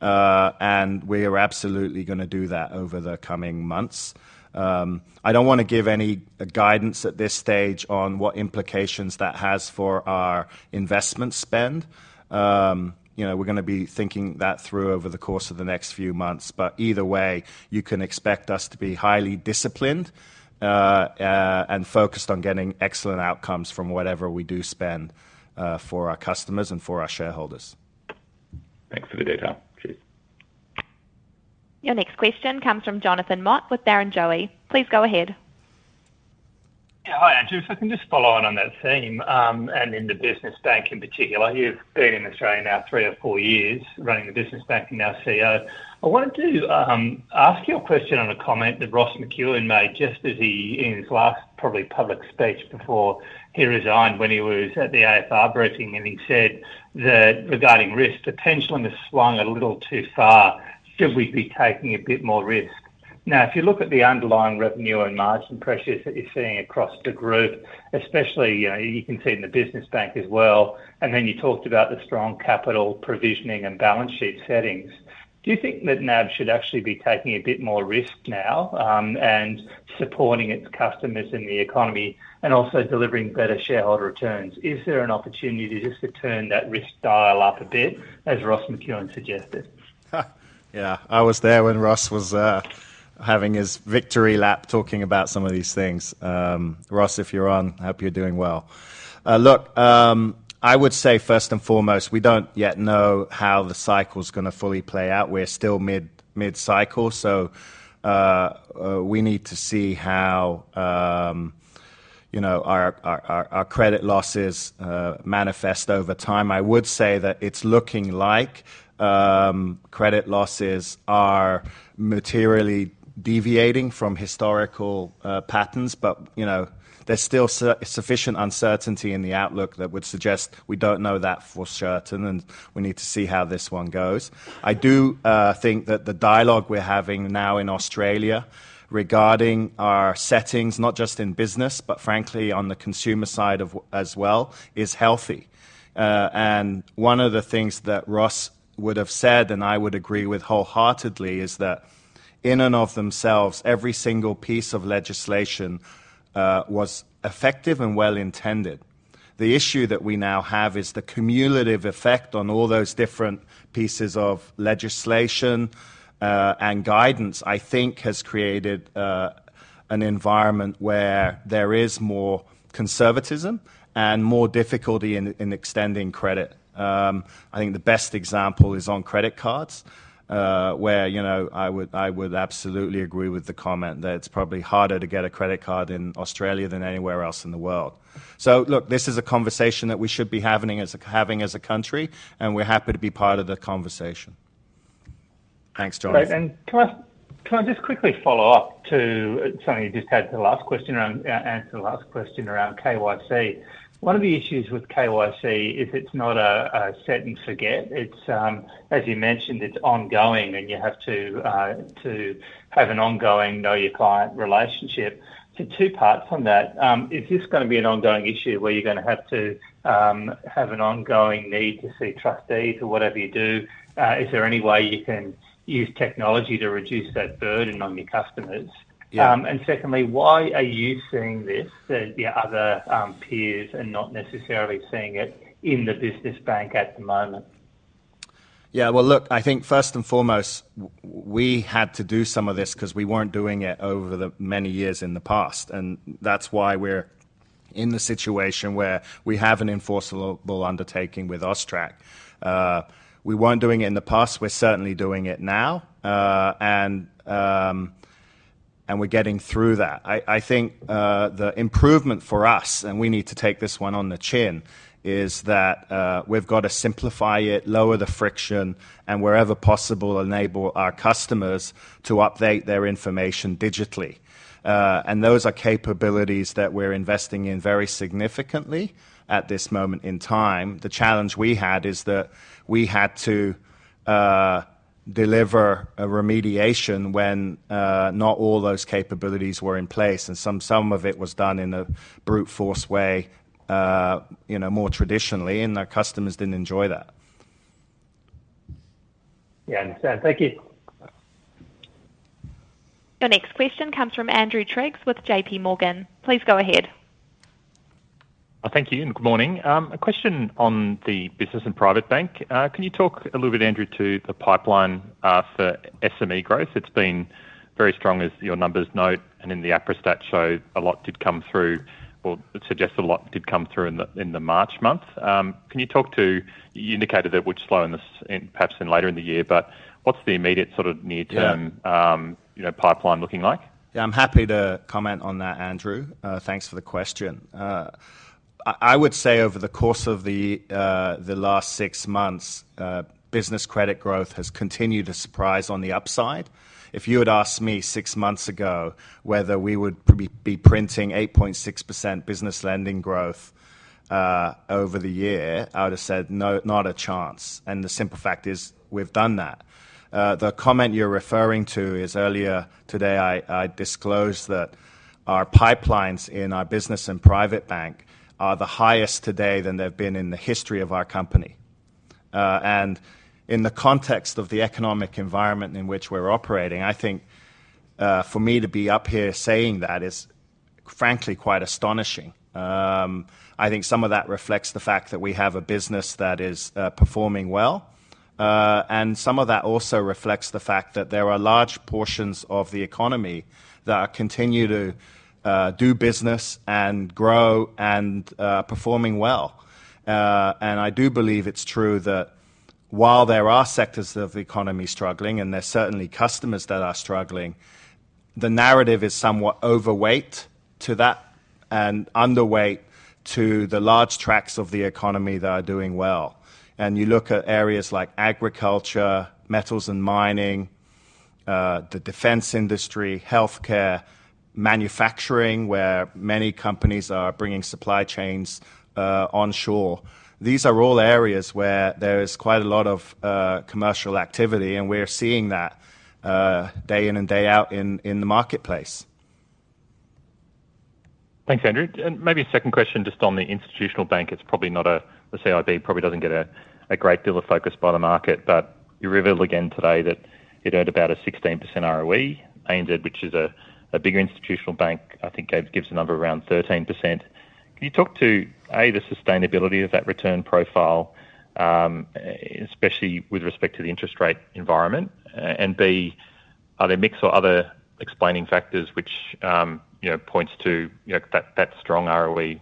and we are absolutely gonna do that over the coming months. I don't want to give any guidance at this stage on what implications that has for our investment spend. You know, we're gonna be thinking that through over the course of the next few months, but either way, you can expect us to be highly disciplined and focused on getting excellent outcomes from whatever we do spend for our customers and for our shareholders. Thanks for the detail. Cheers. Your next question comes from Jonathan Mott with Barrenjoey. Please go ahead. Yeah. Hi, Andrew. If I can just follow on that theme, and in the business bank in particular. You've been in Australia now three or four years running the business bank, and now CEO. I wanted to ask you a question on a comment that Ross McEwan made just as he, in his last, probably, public speech before he resigned when he was at the AFR briefing, and he said that regarding risk, the pendulum has swung a little too far. Should we be taking a bit more risk? Now, if you look at the underlying revenue and margin pressures that you're seeing across the group, especially, you know, you can see it in the business bank as well, and then you talked about the strong capital provisioning and balance sheet settings. Do you think that NAB should actually be taking a bit more risk now, and supporting its customers in the economy and also delivering better shareholder returns? Is there an opportunity just to turn that risk dial up a bit, as Ross McEwan suggested? Yeah, I was there when Ross was having his victory lap, talking about some of these things. Ross, if you're on, I hope you're doing well. Look, I would say first and foremost, we don't yet know how the cycle's gonna fully play out. We're still mid-cycle, so we need to see how, you know, our credit losses manifest over time. I would say that it's looking like credit losses are materially deviating from historical patterns, but, you know, there's still sufficient uncertainty in the outlook that would suggest we don't know that for certain, and we need to see how this one goes. I do think that the dialogue we're having now in Australia regarding our settings, not just in business, but frankly on the consumer side as well, is healthy. And one of the things that Ross would have said, and I would agree with wholeheartedly, is that in and of themselves, every single piece of legislation was effective and well-intended. The issue that we now have is the cumulative effect on all those different pieces of legislation and guidance, I think has created an environment where there is more conservatism and more difficulty in extending credit. I think the best example is on credit cards, where, you know, I would, I would absolutely agree with the comment that it's probably harder to get a credit card in Australia than anywhere else in the world. So look, this is a conversation that we should be having as a, having as a country, and we're happy to be part of the conversation. Thanks, Jon. And can I just quickly follow up to something you just said, the last question around, answer the last question around KYC? One of the issues with KYC is it's not a set and forget. It's, as you mentioned, it's ongoing, and you have to have an ongoing know-your-client relationship. So two parts on that. Is this gonna be an ongoing issue where you're gonna have to, have an ongoing need to see trustees or whatever you do? Is there any way you can use technology to reduce that burden on your customers? Yeah. And secondly, why are you seeing this, the other peers and not necessarily seeing it in the business bank at the moment? Yeah, well, look, I think first and foremost, we had to do some of this 'cause we weren't doing it over the many years in the past, and that's why we're in the situation where we have an enforceable undertaking with AUSTRAC. We weren't doing it in the past, we're certainly doing it now, and we're getting through that. I think the improvement for us, and we need to take this one on the chin, is that we've got to simplify it, lower the friction, and wherever possible, enable our customers to update their information digitally. And those are capabilities that we're investing in very significantly at this moment in time. The challenge we had is that we had to deliver a remediation when not all those capabilities were in place, and some, some of it was done in a brute force way, you know, more traditionally, and our customers didn't enjoy that. Yeah, I understand. Thank you. Your next question comes from Andrew Triggs with JPMorgan. Please go ahead. Thank you, and good morning. A question on the business and private bank. Can you talk a little bit, Andrew, to the pipeline for SME growth? It's been very strong, as your numbers note, and in the APRA stat showed a lot did come through, or it suggests a lot did come through in the, in the March month. Can you talk to... you indicated it would slow in perhaps later in the year, but what's the immediate sort of near-term- Yeah... you know, pipeline looking like? Yeah, I'm happy to comment on that, Andrew. Thanks for the question. I would say over the course of the last six months, business credit growth has continued to surprise on the upside. If you had asked me six months ago whether we would be printing 8.6% business lending growth over the year, I would have said, "No, not a chance." And the simple fact is, we've done that. The comment you're referring to is earlier today, I disclosed that our pipelines in our business and private bank are the highest today than they've been in the history of our company. And in the context of the economic environment in which we're operating, I think, for me to be up here saying that is frankly quite astonishing. I think some of that reflects the fact that we have a business that is performing well, and some of that also reflects the fact that there are large portions of the economy that continue to do business and grow and performing well. And I do believe it's true that while there are sectors of the economy struggling, and there are certainly customers that are struggling, the narrative is somewhat overweight to that and underweight to the large tracts of the economy that are doing well. And you look at areas like agriculture, metals and mining, the defense industry, healthcare, manufacturing, where many companies are bringing supply chains onshore. These are all areas where there is quite a lot of commercial activity, and we're seeing that day in and day out in the marketplace. Thanks, Andrew. Maybe a second question just on the institutional bank. It's probably not, the CIB probably doesn't get a great deal of focus by the market, but you revealed again today that it earned about a 16% ROE. ANZ, which is a bigger institutional bank, I think gives a number around 13%. Can you talk to A, the sustainability of that return profile, especially with respect to the interest rate environment? And B, are there mix or other explaining factors which, you know, points to, you know, that strong ROE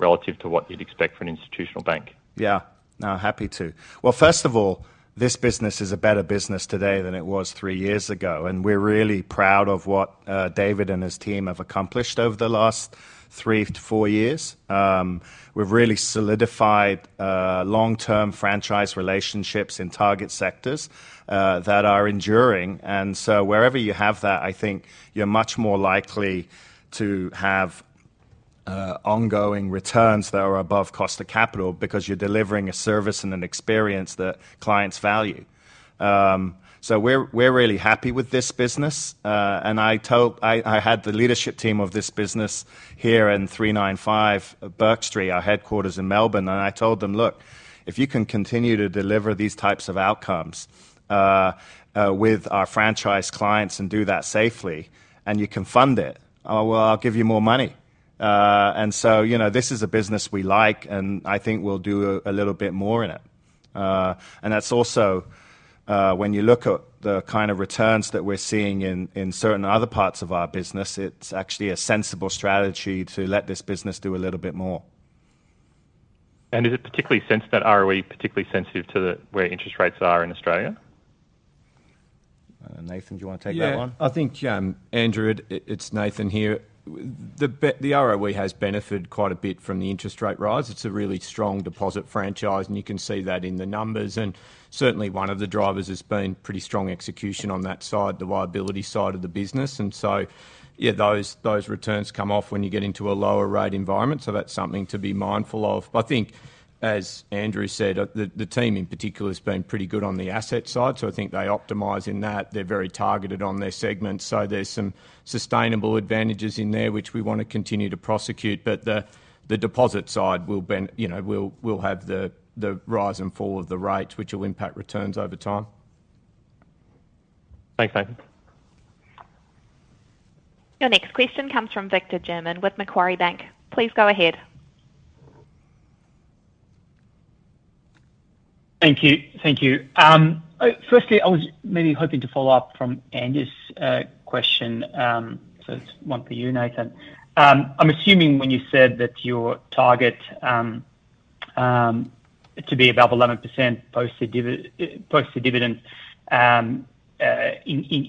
relative to what you'd expect from an institutional bank? Yeah. No, happy to. Well, first of all, this business is a better business today than it was three years ago, and we're really proud of what David and his team have accomplished over the last three to four years. We've really solidified long-term franchise relationships in target sectors that are enduring. And so wherever you have that, I think you're much more likely to have ongoing returns that are above cost of capital because you're delivering a service and an experience that clients value. So we're really happy with this business, and I told... I had the leadership team of this business here in 395 Bourke Street, our headquarters in Melbourne, and I told them, "Look, if you can continue to deliver these types of outcomes with our franchise clients and do that safely, and you can fund it, well, I'll give you more money." And so, you know, this is a business we like, and I think we'll do a little bit more in it. And that's also when you look at the kind of returns that we're seeing in certain other parts of our business, it's actually a sensible strategy to let this business do a little bit more. Is it particularly sensitive that ROE, particularly sensitive to where interest rates are in Australia? Nathan, do you want to take that one? Yeah, I think, Andrew, it's Nathan here. The ROE has benefited quite a bit from the interest rate rise. It's a really strong deposit franchise, and you can see that in the numbers. And certainly one of the drivers has been pretty strong execution on that side, the liability side of the business. And so, yeah, those returns come off when you get into a lower rate environment, so that's something to be mindful of. But I think, as Andrew said, the team in particular has been pretty good on the asset side, so I think they optimize in that. They're very targeted on their segments, so there's some sustainable advantages in there, which we want to continue to prosecute. But the deposit side will, you know, have the rise and fall of the rates, which will impact returns over time. Thanks, Nathan. Your next question comes from Victor German with Macquarie Bank. Please go ahead. Thank you. Thank you. Firstly, I was maybe hoping to follow up from Andrew's question, so it's one for you, Nathan. I'm assuming when you said that your target to be above 11% post the dividend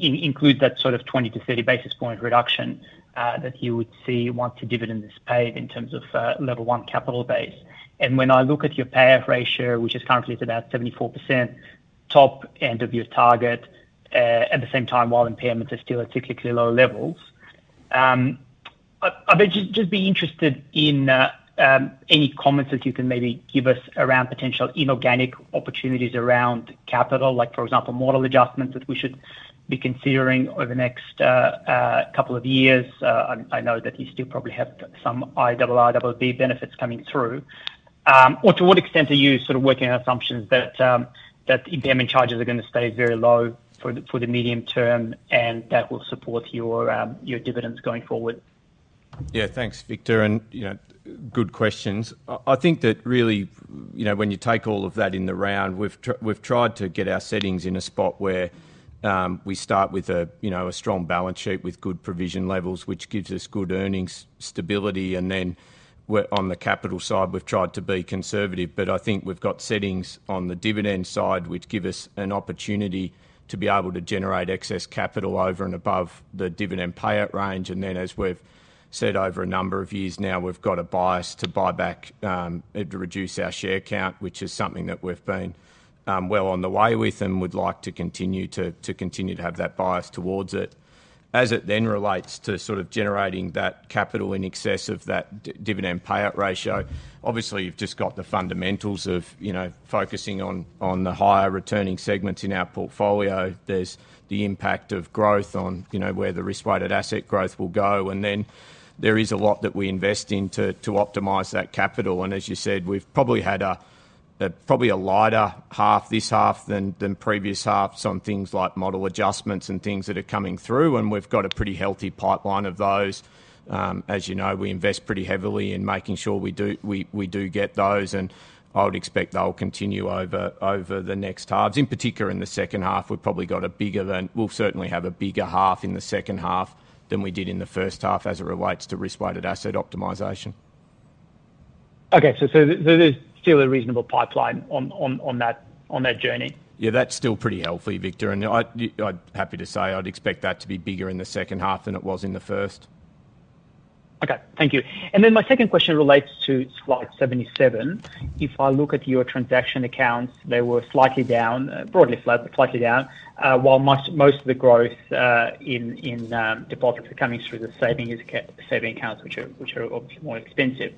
includes that sort of 20-30 basis point reduction that you would see once the dividend is paid in terms of Level 1 capital base. And when I look at your payout ratio, which is currently it's about 74%, top end of your target, at the same time, while impairments are still at particularly low levels. I'd just be interested in any comments that you can maybe give us around potential inorganic opportunities around capital, like, for example, model adjustments that we should be considering over the next couple of years. I know that you still probably have some IRRBB benefits coming through. Or to what extent are you sort of working on assumptions that impairment charges are going to stay very low for the medium term, and that will support your dividends going forward? Yeah, thanks, Victor, and, you know, good questions. I think that really, you know, when you take all of that in the round, we've tried to get our settings in a spot where, we start with a, you know, a strong balance sheet with good provision levels, which gives us good earnings stability, and then on the capital side, we've tried to be conservative. But I think we've got settings on the dividend side, which give us an opportunity to be able to generate excess capital over and above the dividend payout range. And then, as we've said over a number of years now, we've got a bias to buy back, and to reduce our share count, which is something that we've been, well on the way with and would like to continue to have that bias towards it. As it then relates to sort of generating that capital in excess of that dividend payout ratio, obviously, you've just got the fundamentals of, you know, focusing on the higher returning segments in our portfolio. There's the impact of growth on, you know, where the risk-weighted asset growth will go, and then there is a lot that we invest in to optimize that capital. As you said, we've probably had a lighter half this half than previous halves on things like model adjustments and things that are coming through, and we've got a pretty healthy pipeline of those. As you know, we invest pretty heavily in making sure we do get those, and I would expect they'll continue over the next halves. In particular, in the second half, we've probably got a bigger than... We'll certainly have a bigger half in the second half than we did in the first half as it relates to risk-weighted asset optimization. Okay. So, there's still a reasonable pipeline on that journey? Yeah, that's still pretty healthy, Victor, and I'd be happy to say I'd expect that to be bigger in the second half than it was in the first. Okay, thank you. And then my second question relates to slide 77. If I look at your transaction accounts, they were slightly down, broadly flat, but slightly down, while most of the growth in deposits are coming through the savings accounts, which are obviously more expensive.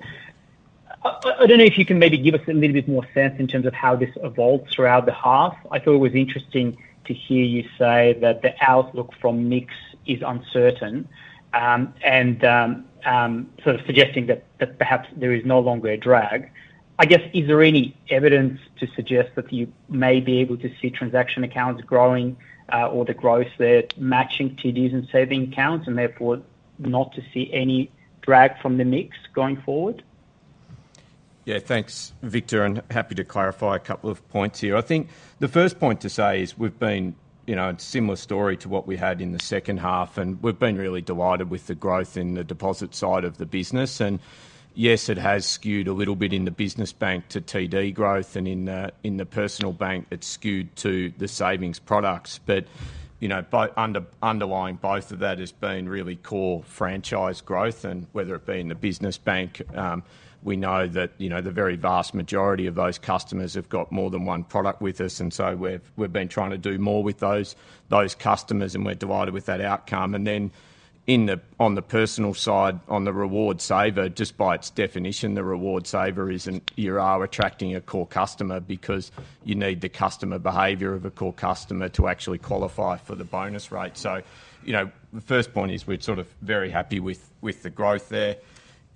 I don't know if you can maybe give us a little bit more sense in terms of how this evolves throughout the half. I thought it was interesting to hear you say that the outlook from mix is uncertain, and sort of suggesting that perhaps there is no longer a drag. I guess, is there any evidence to suggest that you may be able to see transaction accounts growing, or the growth there matching TDs and savings accounts, and therefore not to see any drag from the mix going forward? Yeah, thanks, Victor, and happy to clarify a couple of points here. I think the first point to say is we've been, you know, a similar story to what we had in the second half, and we've been really delighted with the growth in the deposit side of the business. And yes, it has skewed a little bit in the business bank to TD growth, and in the personal bank, it's skewed to the savings products. But, you know, by underlying both of that has been really core franchise growth. And whether it be in the business bank, we know that, you know, the very vast majority of those customers have got more than one product with us, and so we've been trying to do more with those customers, and we're delighted with that outcome. And then on the personal side, on the Reward Saver, just by its definition, the Reward Saver is an, you are attracting a core customer because you need the customer behavior of a core customer to actually qualify for the bonus rate. So, you know, the first point is we're sort of very happy with the growth there.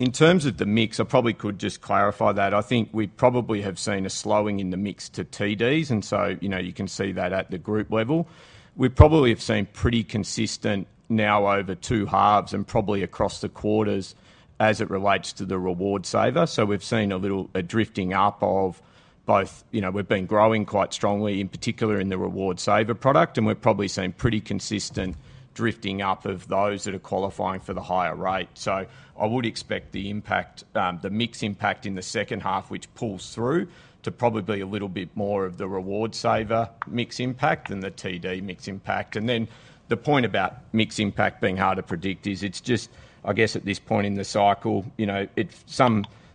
In terms of the mix, I probably could just clarify that. I think we probably have seen a slowing in the mix to TDs, and so, you know, you can see that at the group level. We probably have seen pretty consistent now over two halves and probably across the quarters as it relates to the Reward Saver. So we've seen a little drifting up of both, you know, we've been growing quite strongly, in particular in the Reward Saver product, and we've probably seen pretty consistent drifting up of those that are qualifying for the higher rate. So I would expect the impact, the mix impact in the second half, which pulls through, to probably be a little bit more of the Reward Saver mix impact than the TD mix impact. And then the point about mix impact being hard to predict is it's just, I guess, at this point in the cycle, you know, it,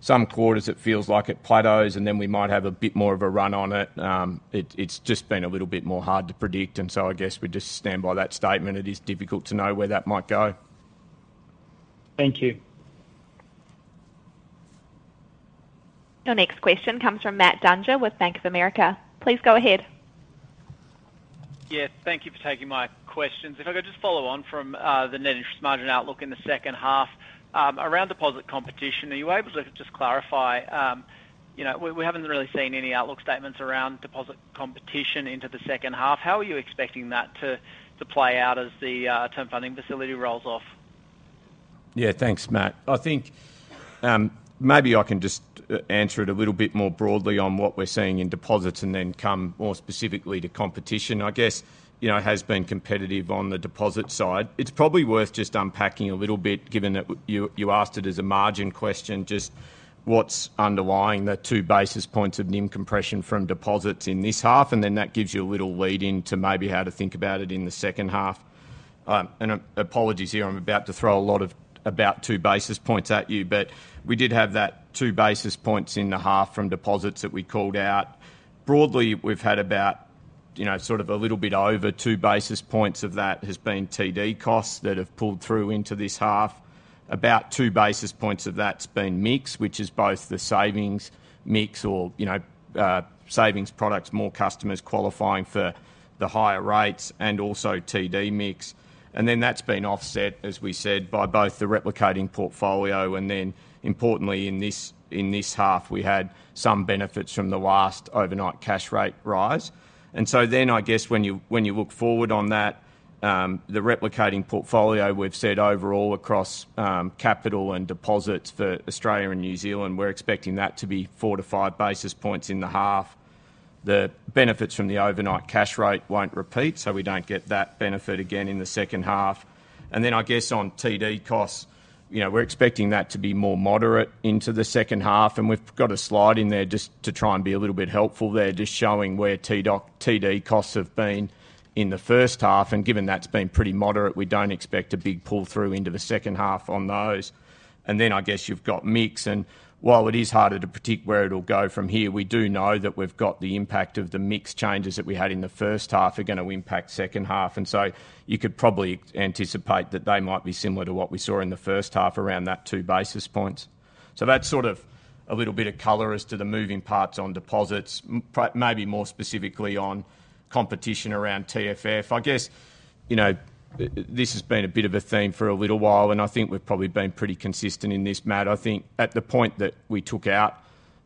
some quarters it feels like it plateaus, and then we might have a bit more of a run on it. It's just been a little bit more hard to predict, and so I guess we just stand by that statement. It is difficult to know where that might go. Thank you. Your next question comes from Matt Dunger with Bank of America. Please go ahead. Yeah, thank you for taking my questions. If I could just follow on from the net interest margin outlook in the second half. Around deposit competition, are you able to just clarify, you know, we haven't really seen any outlook statements around deposit competition into the second half. How are you expecting that to play out as the Term Funding Facility rolls off? Yeah, thanks, Matt. I think, maybe I can just answer it a little bit more broadly on what we're seeing in deposits and then come more specifically to competition. I guess, you know, it has been competitive on the deposit side. It's probably worth just unpacking a little bit, given that you asked it as a margin question, just what's underlying the 2 basis points of NIM compression from deposits in this half, and then that gives you a little lead-in to maybe how to think about it in the second half. And apologies here, I'm about to throw a lot of about 2 basis points at you, but we did have that 2 basis points in the half from deposits that we called out. Broadly, we've had about, you know, sort of a little bit over 2 basis points of that has been TD costs that have pulled through into this half. About 2 basis points of that's been mix, which is both the savings mix or, you know, savings products, more customers qualifying for the higher rates, and also TD mix. And then that's been offset, as we said, by both the replicating portfolio, and then importantly, in this half, we had some benefits from the last overnight cash rate rise. And so then, I guess when you look forward on that, the replicating portfolio, we've said overall across capital and deposits for Australia and New Zealand, we're expecting that to be 4-5 basis points in the half. The benefits from the overnight cash rate won't repeat, so we don't get that benefit again in the second half. And then, I guess, on TD costs, you know, we're expecting that to be more moderate into the second half, and we've got a slide in there just to try and be a little bit helpful there, just showing where TD costs have been in the first half. And given that's been pretty moderate, we don't expect a big pull-through into the second half on those. And then, I guess, you've got mix, and while it is harder to predict where it'll go from here, we do know that we've got the impact of the mix changes that we had in the first half are gonna impact second half. So you could probably anticipate that they might be similar to what we saw in the first half around that 2 basis points. So that's sort of a little bit of color as to the moving parts on deposits, maybe more specifically on competition around TFF. I guess, you know, this has been a bit of a theme for a little while, and I think we've probably been pretty consistent in this, Matt. I think at the point that we took out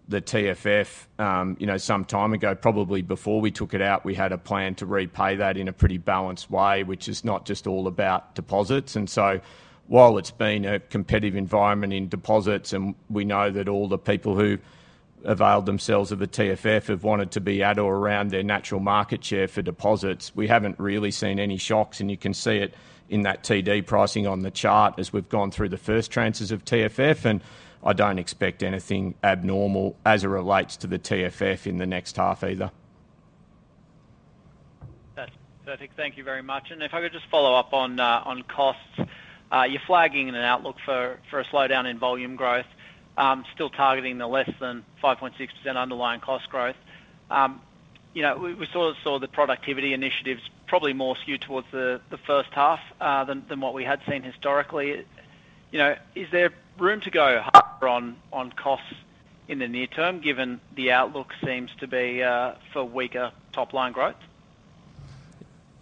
the TFF, you know, some time ago, probably before we took it out, we had a plan to repay that in a pretty balanced way, which is not just all about deposits. So, while it's been a competitive environment in deposits, and we know that all the people who availed themselves of the TFF have wanted to be at or around their natural market share for deposits, we haven't really seen any shocks. You can see it in that TD pricing on the chart as we've gone through the first tranches of TFF, and I don't expect anything abnormal as it relates to the TFF in the next half either. That's perfect. Thank you very much. And if I could just follow up on costs. You're flagging an outlook for a slowdown in volume growth, still targeting the less than 5.6% underlying cost growth. You know, we sort of saw the productivity initiatives probably more skewed towards the first half, than what we had seen historically. You know, is there room to go higher on costs in the near term, given the outlook seems to be, for weaker top-line growth?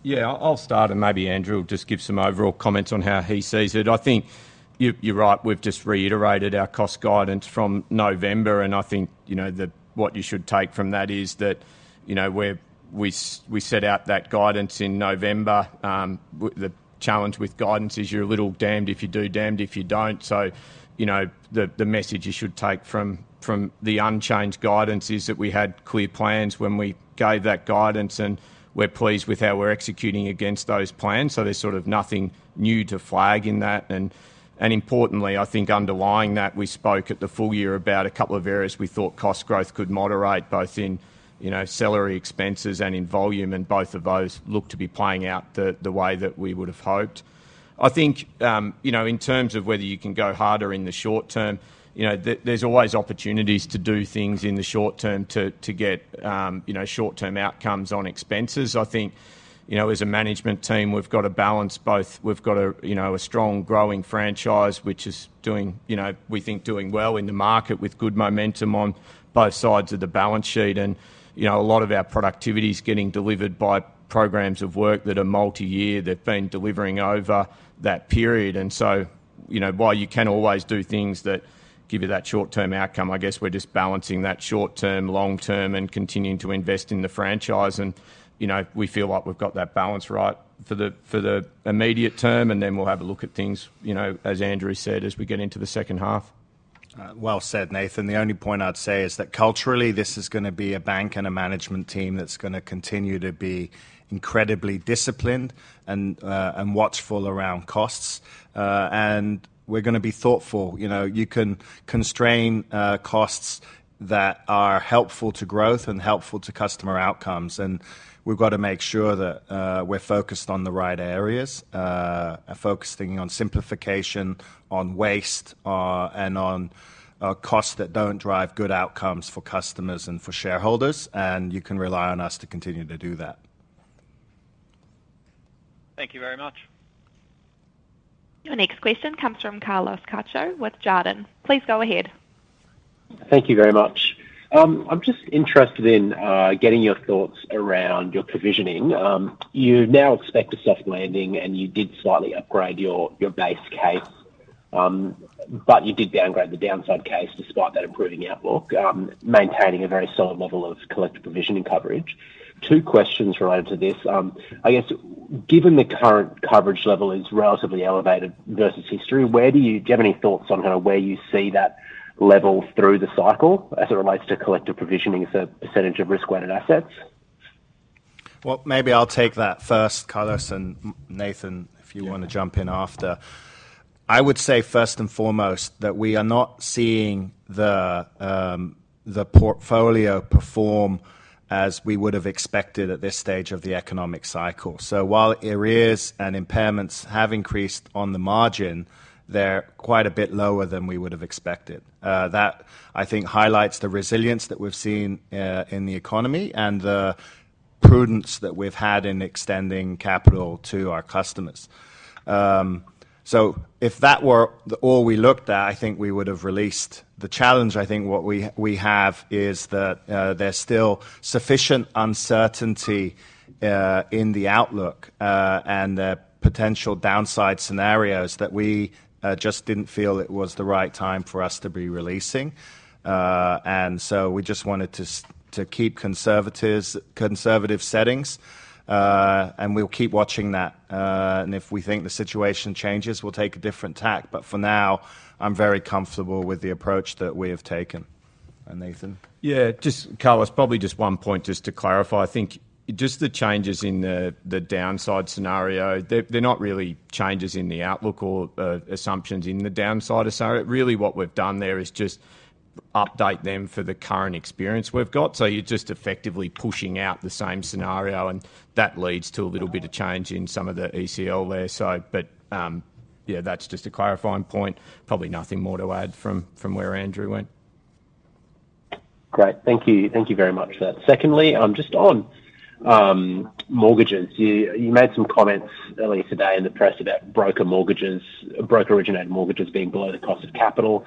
Yeah, I'll start, and maybe Andrew will just give some overall comments on how he sees it. I think you're right, we've just reiterated our cost guidance from November, and I think, you know, the what you should take from that is that, you know, we set out that guidance in November. The challenge with guidance is you're a little damned if you do, damned if you don't. So, you know, the message you should take from the unchanged guidance is that we had clear plans when we gave that guidance, and we're pleased with how we're executing against those plans, so there's sort of nothing new to flag in that. And importantly, I think underlying that, we spoke at the full year about a couple of areas we thought cost growth could moderate, both in, you know, salary expenses and in volume, and both of those look to be playing out the way that we would have hoped. I think, you know, in terms of whether you can go harder in the short term, you know, there's always opportunities to do things in the short term to get, you know, short-term outcomes on expenses. I think, you know, as a management team, we've got to balance both. We've got, you know, a strong, growing franchise, which is doing, you know, we think doing well in the market with good momentum on both sides of the balance sheet. And, you know, a lot of our productivity is getting delivered by programs of work that are multi-year, that have been delivering over that period. And so, you know, while you can always do things that give you that short-term outcome, I guess we're just balancing that short term, long term, and continuing to invest in the franchise. And, you know, we feel like we've got that balance right for the immediate term, and then we'll have a look at things, you know, as Andrew said, as we get into the second half. Well said, Nathan. The only point I'd say is that culturally, this is gonna be a bank and a management team that's gonna continue to be incredibly disciplined and watchful around costs. And we're gonna be thoughtful. You know, you can constrain costs that are helpful to growth and helpful to customer outcomes, and we've got to make sure that we're focused on the right areas, focusing on simplification, on waste, and on costs that don't drive good outcomes for customers and for shareholders, and you can rely on us to continue to do that. Thank you very much. Your next question comes from Carlos Cacho with Jarden. Please go ahead. Thank you very much. I'm just interested in getting your thoughts around your provisioning. You now expect a soft landing, and you did slightly upgrade your base case. But you did downgrade the downside case despite that improving outlook, maintaining a very solid level of collective provisioning coverage. Two questions related to this. I guess, given the current coverage level is relatively elevated versus history, where do you, do you have any thoughts on kind of where you see that level through the cycle as it relates to collective provisioning as a percentage of risk-weighted assets? Well, maybe I'll take that first, Carlos, and Nathan, if you want to jump in after. I would say first and foremost, that we are not seeing the portfolio perform as we would have expected at this stage of the economic cycle. So while arrears and impairments have increased on the margin, they're quite a bit lower than we would have expected. That, I think, highlights the resilience that we've seen in the economy and the prudence that we've had in extending capital to our customers. So if that were all we looked at, I think we would have released the challenge. I think what we have is that there's still sufficient uncertainty in the outlook and potential downside scenarios that we just didn't feel it was the right time for us to be releasing. And so we just wanted to keep conservative settings, and we'll keep watching that. And if we think the situation changes, we'll take a different tack. But for now, I'm very comfortable with the approach that we have taken. And, Nathan? Yeah, just Carlos, probably just one point, just to clarify. I think just the changes in the downside scenario, they're not really changes in the outlook or assumptions in the downside scenario. Really, what we've done there is just update them for the current experience we've got. So you're just effectively pushing out the same scenario, and that leads to a little bit of change in some of the ECL there. So, but, yeah, that's just a clarifying point. Probably nothing more to add from where Andrew went. Great. Thank you. Thank you very much for that. Secondly, just on mortgages. You made some comments earlier today in the press about broker mortgages, broker-originated mortgages being below the cost of capital.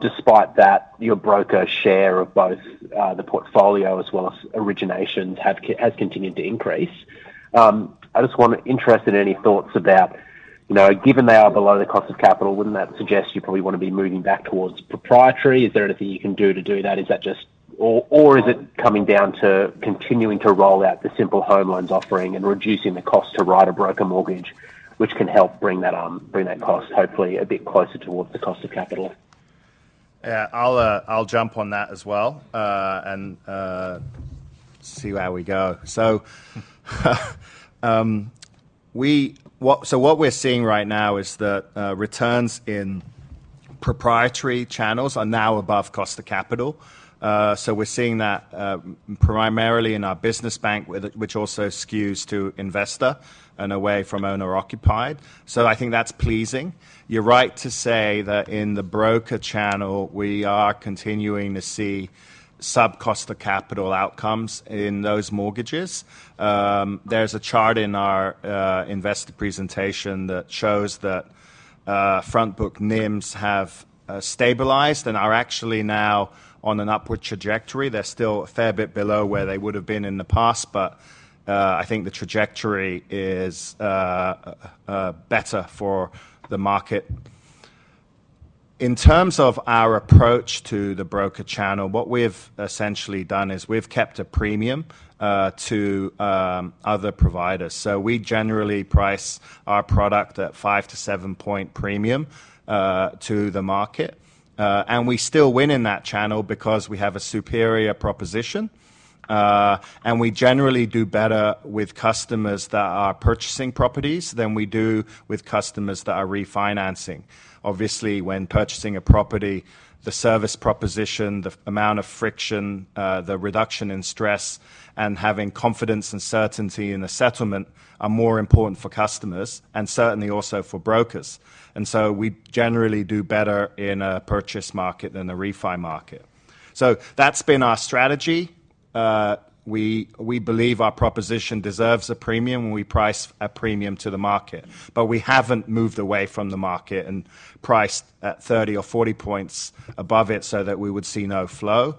Despite that, your broker share of both the portfolio as well as originations has continued to increase. I just want... interested in any thoughts about, you know, given they are below the cost of capital, wouldn't that suggest you probably want to be moving back towards proprietary? Is there anything you can do to do that? Is that just... or is it coming down to continuing to roll out the Simple Home Loans offering and reducing the cost to write a broker mortgage, which can help bring that cost, hopefully, a bit closer towards the cost of capital? Yeah, I'll jump on that as well, and see where we go. So, what we're seeing right now is that returns in proprietary channels are now above cost of capital. So we're seeing that primarily in our business bank, which also skews to investor and away from owner-occupied. So I think that's pleasing. You're right to say that in the broker channel, we are continuing to see sub-cost of capital outcomes in those mortgages. There's a chart in our investor presentation that shows that front book NIMS have stabilized and are actually now on an upward trajectory. They're still a fair bit below where they would have been in the past, but I think the trajectory is better for the market. In terms of our approach to the broker channel, what we've essentially done is we've kept a premium to other providers. So we generally price our product at 5-7 point premium to the market. And we still win in that channel because we have a superior proposition, and we generally do better with customers that are purchasing properties than we do with customers that are refinancing. Obviously, when purchasing a property, the service proposition, the amount of friction, the reduction in stress, and having confidence and certainty in the settlement are more important for customers and certainly also for brokers. And so we generally do better in a purchase market than a refi market. So that's been our strategy. We believe our proposition deserves a premium, and we price a premium to the market. But we haven't moved away from the market and priced at 30 or 40 points above it so that we would see no flow.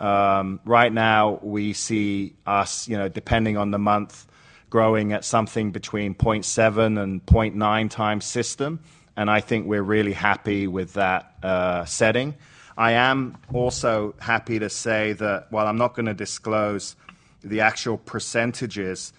Right now, we see us, you know, depending on the month, growing at something between 0.7x and 0.9x system, and I think we're really happy with that setting. I am also happy to say that while I'm not going to disclose the actual percentages,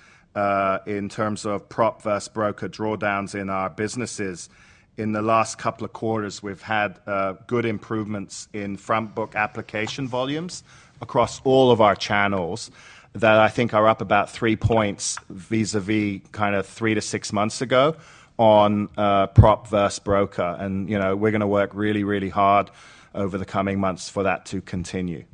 in terms of prop versus broker drawdowns in our businesses, in the last couple of quarters, we've had good improvements in front book application volumes across all of our channels that I think are up about 3 points vis-a-vis kind of three to six months ago on, prop versus broker. And, you know, we're going to work really, really hard over the coming months for that to continue.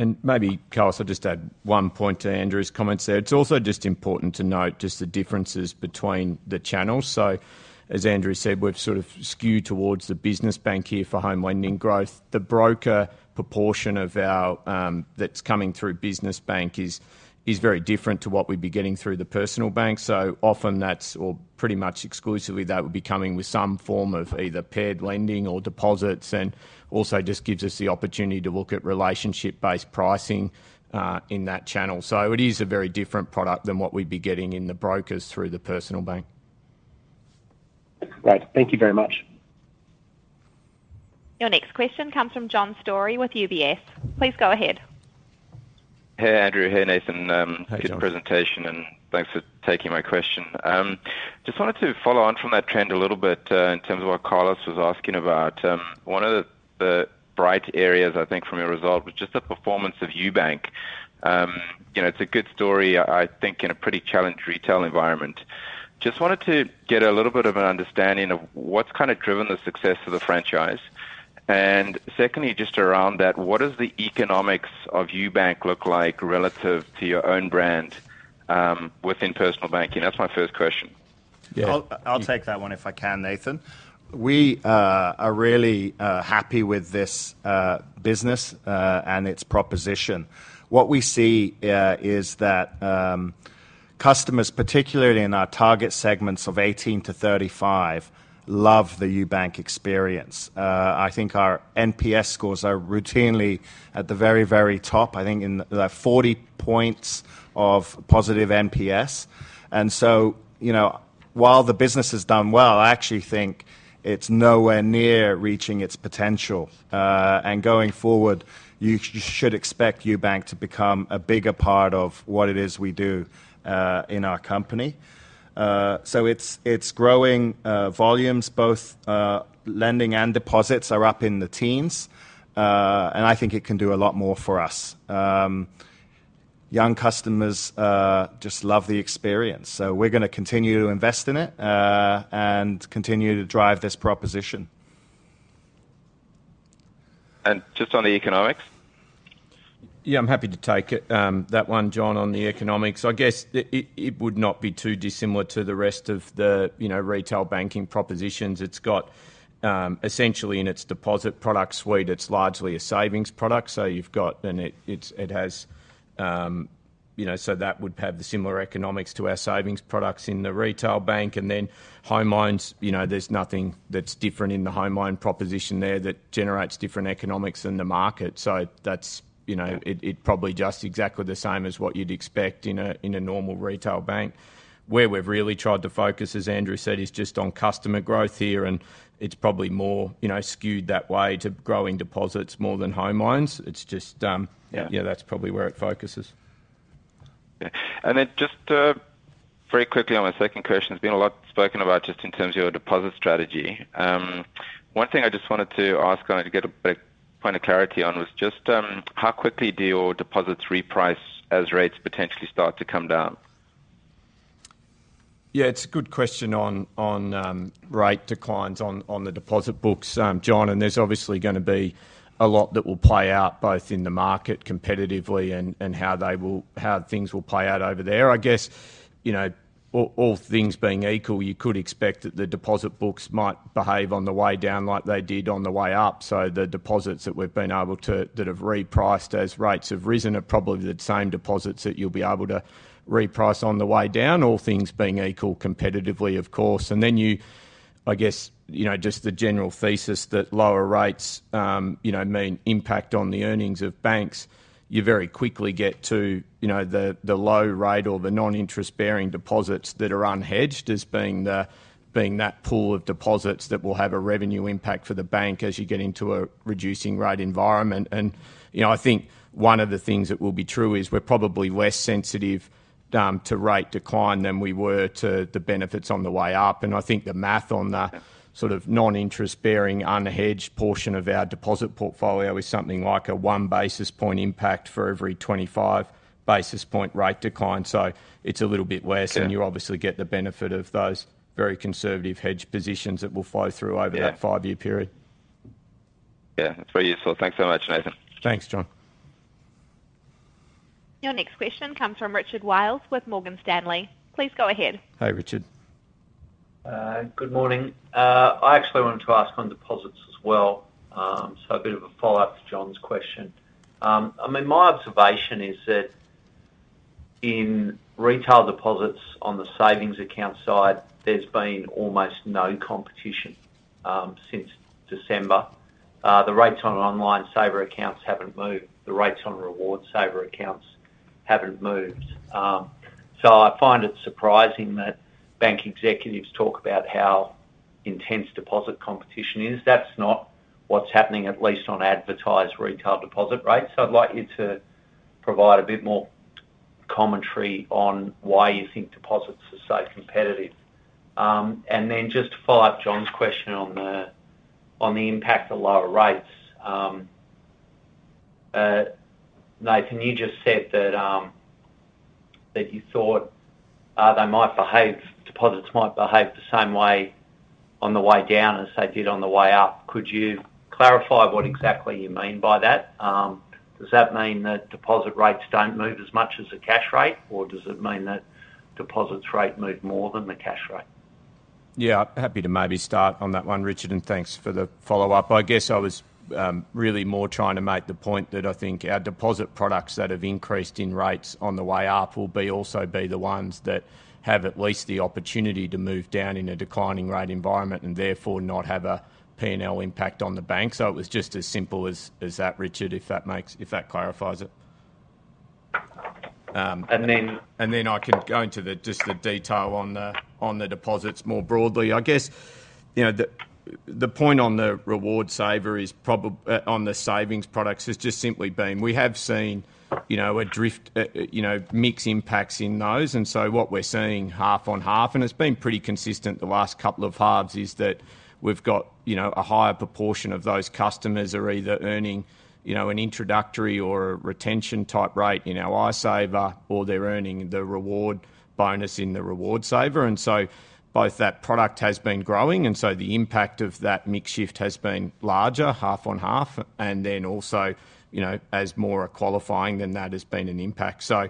And maybe, Carlos, I'll just add one point to Andrew's comments there. It's also just important to note just the differences between the channels. So as Andrew said, we're sort of skewed towards the business bank here for home lending growth. The broker proportion of our, that's coming through business bank is very different to what we'd be getting through the personal bank. So often that's or pretty much exclusively, that would be coming with some form of either paired lending or deposits, and also just gives us the opportunity to look at relationship-based pricing in that channel. So it is a very different product than what we'd be getting in the brokers through the personal bank. Great, thank you very much. Your next question comes from John Storey with UBS. Please go ahead. Hey, Andrew. Hey, Nathan. Hi, John. Good presentation, and thanks for taking my question. Just wanted to follow on from that trend a little bit, in terms of what Carlos was asking about. One of the bright areas, I think from your result, was just the performance of UBank. You know, it's a good story, I think, in a pretty challenged retail environment. Just wanted to get a little bit of an understanding of what's kind of driven the success of the franchise. And secondly, just around that, what does the economics of UBank look like relative to your own brand, within personal banking? That's my first question. Yeah. I'll take that one, if I can, Nathan. We are really happy with this business and its proposition. What we see is that customers, particularly in our target segments of 18-35, love the UBank experience. I think our NPS scores are routinely at the very, very top, I think in the 40 points of positive NPS. And so, you know, while the business has done well, I actually think it's nowhere near reaching its potential. And going forward, you should expect UBank to become a bigger part of what it is we do in our company. So it's growing volumes. Both lending and deposits are up in the teens, and I think it can do a lot more for us. Young customers just love the experience, so we're going to continue to invest in it, and continue to drive this proposition. Just on the economics? Yeah, I'm happy to take it, that one, John, on the economics. I guess it would not be too dissimilar to the rest of the, you know, retail banking propositions. It's got, essentially in its deposit product suite, it's largely a savings product. So you've got and it has, you know, so that would have the similar economics to our savings products in the retail bank, and then home loans, you know, there's nothing that's different in the home loan proposition there that generates different economics than the market. So that's, you know, it probably just exactly the same as what you'd expect in a normal retail bank. Where we've really tried to focus, as Andrew said, is just on customer growth here, and it's probably more, you know, skewed that way to growing deposits more than home loans. It's just, yeah, that's probably where it focuses. Yeah. And then just, very quickly on my second question, there's been a lot spoken about just in terms of your deposit strategy. One thing I just wanted to ask, kind of to get a bit point of clarity on, was just, how quickly do your deposits reprice as rates potentially start to come down? Yeah, it's a good question on rate declines on the deposit books, John, and there's obviously going to be a lot that will play out, both in the market competitively and how they will, how things will play out over there. I guess, you know, all things being equal, you could expect that the deposit books might behave on the way down like they did on the way up. So the deposits that we've been able to, that have repriced as rates have risen, are probably the same deposits that you'll be able to reprice on the way down, all things being equal competitively, of course. And then you— I guess, you know, just the general thesis that lower rates, you know, mean impact on the earnings of banks, you very quickly get to, you know, the low rate or the non-interest bearing deposits that are unhedged as being the, being that pool of deposits that will have a revenue impact for the bank as you get into a reducing rate environment. And, you know, I think one of the things that will be true is we're probably less sensitive to rate decline than we were to the benefits on the way up. And I think the math on the sort of non-interest bearing, unhedged portion of our deposit portfolio is something like a 1 basis point impact for every 25 basis point rate decline. So it's a little bit worse and you obviously get the benefit of those very conservative hedge positions that will flow through over that five-year period. Yeah, that's very useful. Thanks so much, Nathan. Thanks, John. Your next question comes from Richard Wiles with Morgan Stanley. Please go ahead. Hi, Richard. Good morning. I actually wanted to ask on deposits as well, so a bit of a follow-up to John's question. I mean, my observation is that in retail deposits on the savings account side, there's been almost no competition, since December. The rates on online saver accounts haven't moved. The rates on Reward Saver accounts haven't moved. So I find it surprising that bank executives talk about how intense deposit competition is. That's not what's happening, at least on advertised retail deposit rates. So I'd like you to provide a bit more commentary on why you think deposits are so competitive. And then just to follow up John's question on the impact of lower rates. Nathan, you just said that you thought they might behave, deposits might behave the same way on the way down as they did on the way up. Could you clarify what exactly you mean by that? Does that mean that deposit rates don't move as much as the cash rate, or does it mean that deposits rate move more than the cash rate? Yeah, happy to maybe start on that one, Richard, and thanks for the follow-up. I guess I was really more trying to make the point that I think our deposit products that have increased in rates on the way up will also be the ones that have at least the opportunity to move down in a declining rate environment, and therefore not have a P&L impact on the bank. So it was just as simple as that, Richard, if that makes- if that clarifies it. And then- Then I can go into just the detail on the deposits more broadly. I guess, you know, the point on the Reward Saver is probably on the savings products has just simply been we have seen, you know, a drift, you know, mixed impacts in those. And so what we're seeing half on half, and it's been pretty consistent the last couple of halves, is that we've got, you know, a higher proportion of those customers are either earning, you know, an introductory or a retention-type rate in our iSaver, or they're earning the reward bonus in the Reward Saver. And so both that product has been growing, and so the impact of that mix shift has been larger, half on half, and then also, you know, as more are qualifying, then that has been an impact. So,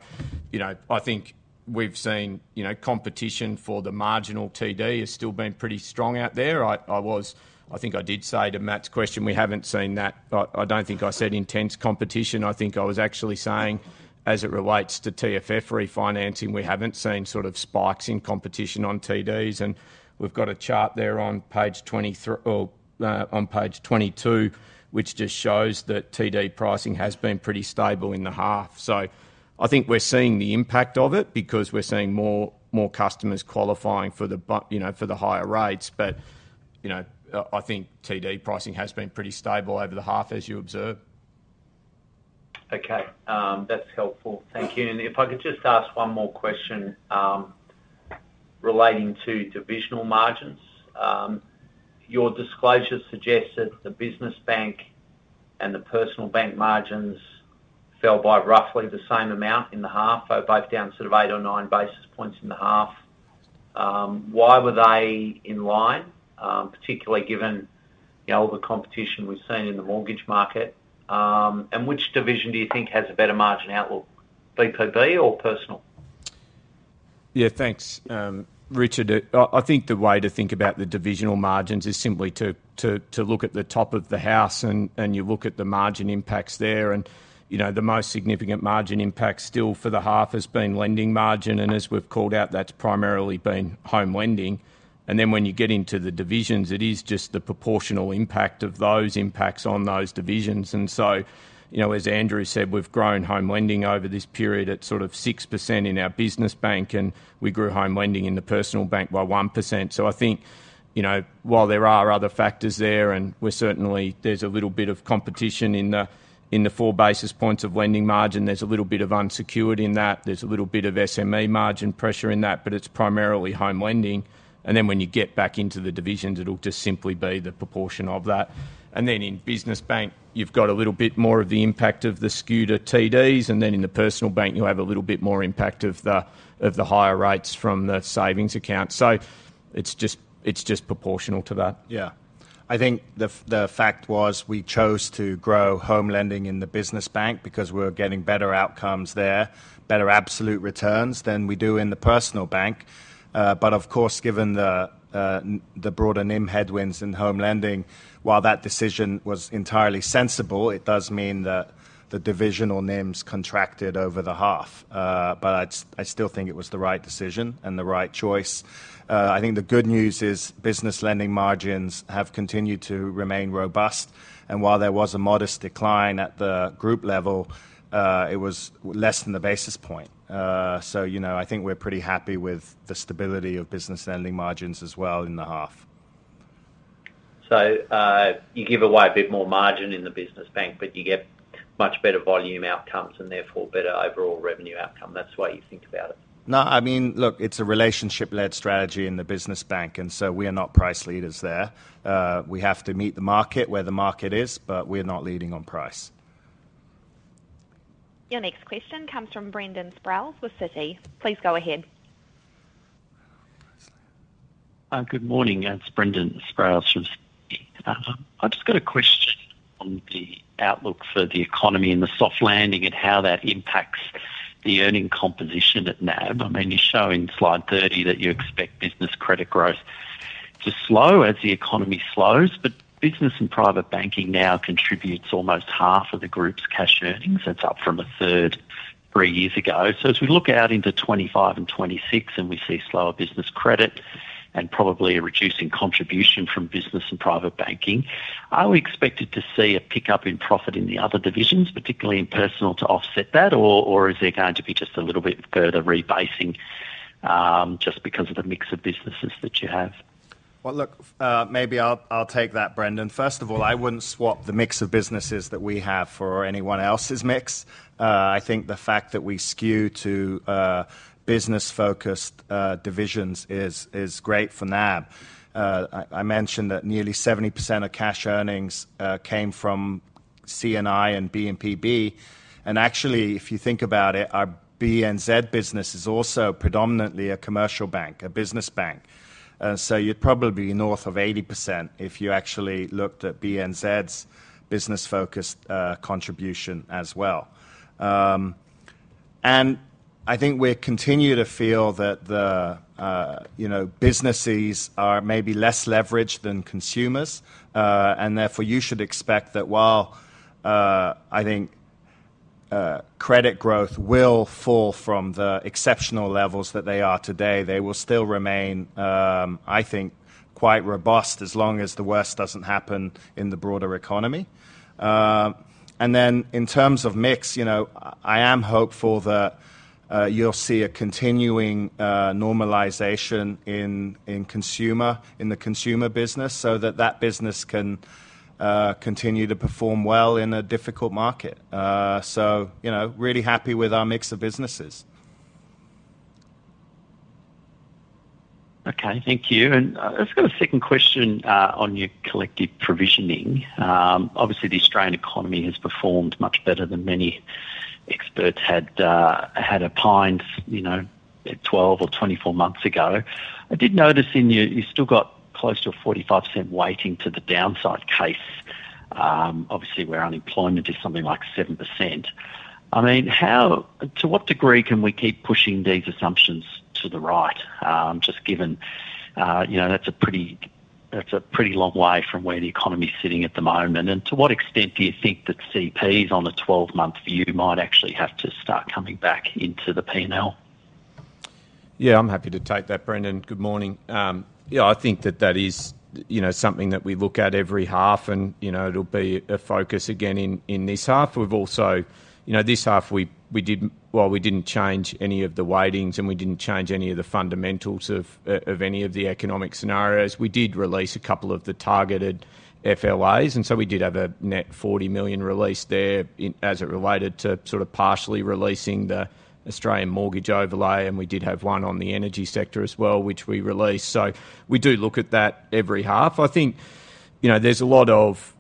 you know, I think we've seen, you know, competition for the marginal TD has still been pretty strong out there. I was— I think I did say to Matt's question, we haven't seen that. I don't think I said intense competition. I think I was actually saying, as it relates to TFF refinancing, we haven't seen sort of spikes in competition on TDs, and we've got a chart there on page 22, which just shows that TD pricing has been pretty stable in the half. So I think we're seeing the impact of it because we're seeing more customers qualifying for the, you know, for the higher rates. But, you know, I think TD pricing has been pretty stable over the half, as you observe. Okay, that's helpful. Thank you. And if I could just ask one more question, relating to divisional margins. Your disclosure suggests that the business bank and the personal bank margins fell by roughly the same amount in the half, both down sort of 8 or 9 basis points in the half. Why were they in line, particularly given, you know, all the competition we've seen in the mortgage market? And which division do you think has a better margin outlook, B2B or personal? Yeah, thanks, Richard. I think the way to think about the divisional margins is simply to look at the top of the house, and you look at the margin impacts there. You know, the most significant margin impact still for the half has been lending margin, and as we've called out, that's primarily been home lending. Then when you get into the divisions, it is just the proportional impact of those impacts on those divisions. So, you know, as Andrew said, we've grown home lending over this period at sort of 6% in our business bank, and we grew home lending in the personal bank by 1%. So I think, you know, while there are other factors there, and we're certainly, there's a little bit of competition in the 4 basis points of lending margin, there's a little bit of unsecured in that. There's a little bit of SME margin pressure in that, but it's primarily home lending. And then when you get back into the divisions, it'll just simply be the proportion of that. And then in business bank, you've got a little bit more of the impact of the skew to TDs, and then in the personal bank, you'll have a little bit more impact of the higher rates from the savings account. So it's just proportional to that. Yeah. I think the fact was we chose to grow home lending in the business bank because we're getting better outcomes there, better absolute returns than we do in the personal bank. But of course, given the broader NIM headwinds in home lending, while that decision was entirely sensible, it does mean that the divisional NIMs contracted over the half. But I still think it was the right decision and the right choice. I think the good news is business lending margins have continued to remain robust, and while there was a modest decline at the group level, it was less than the basis point. So, you know, I think we're pretty happy with the stability of business lending margins as well in the half. So, you give away a bit more margin in the business bank, but you get much better volume outcomes and therefore better overall revenue outcome. That's the way you think about it? No, I mean, look, it's a relationship-led strategy in the business bank, and so we are not price leaders there. We have to meet the market where the market is, but we're not leading on price. Your next question comes from Brendan Sproules with Citi. Please go ahead. Good morning. It's Brendan Sproules from Citi. I've just got a question on the outlook for the economy and the soft landing and how that impacts the earnings composition at NAB. I mean, you show in slide 30 that you expect business credit growth to slow as the economy slows, but Business and Private Banking now contributes almost half of the group's cash earnings. That's up from a third three years ago. So as we look out into 2025 and 2026 and we see slower business credit and probably a reducing contribution from Business and Private Banking. Are we expected to see a pickup in profit in the other divisions, particularly in personal, to offset that? Or is there going to be just a little bit further rebasing, just because of the mix of businesses that you have? Well, look, maybe I'll take that, Brendan. First of all, I wouldn't swap the mix of businesses that we have for anyone else's mix. I think the fact that we skew to, business-focused, divisions is, is great for NAB. I mentioned that nearly 70% of cash earnings, came from C&I and B&PB, and actually, if you think about it, our BNZ business is also predominantly a commercial bank, a business bank. So you'd probably be north of 80% if you actually looked at BNZ's business-focused, contribution as well. And I think we continue to feel that the, you know, businesses are maybe less leveraged than consumers, and therefore, you should expect that while, I think, credit growth will fall from the exceptional levels that they are today, they will still remain, I think, quite robust, as long as the worst doesn't happen in the broader economy. And then in terms of mix, you know, I am hopeful that, you'll see a continuing, normalization in the consumer business, so that that business can, continue to perform well in a difficult market. So, you know, really happy with our mix of businesses. Okay, thank you. And, I've just got a second question, on your collective provisioning. Obviously, the Australian economy has performed much better than many experts had opined, you know, 12 or 24 months ago. I did notice in you, you've still got close to a 45% weighting to the downside case, obviously, where unemployment is something like 7%. I mean, how to what degree can we keep pushing these assumptions to the right? Just given, you know, that's a pretty long way from where the economy is sitting at the moment. And to what extent do you think that CPs on a 12-month view might actually have to start coming back into the P&L? Yeah, I'm happy to take that, Brendan. Good morning. Yeah, I think that that is, you know, something that we look at every half, and, you know, it'll be a focus again in, in this half. We've also... You know, this half, we didn't - well, we didn't change any of the weightings, and we didn't change any of the fundamentals of any of the economic scenarios. We did release a couple of the targeted FLAs, and so we did have a net 40 million release there in, as it related to sort of partially releasing the Australian mortgage overlay, and we did have one on the energy sector as well, which we released. So we do look at that every half. I think, you know, there's a lot of,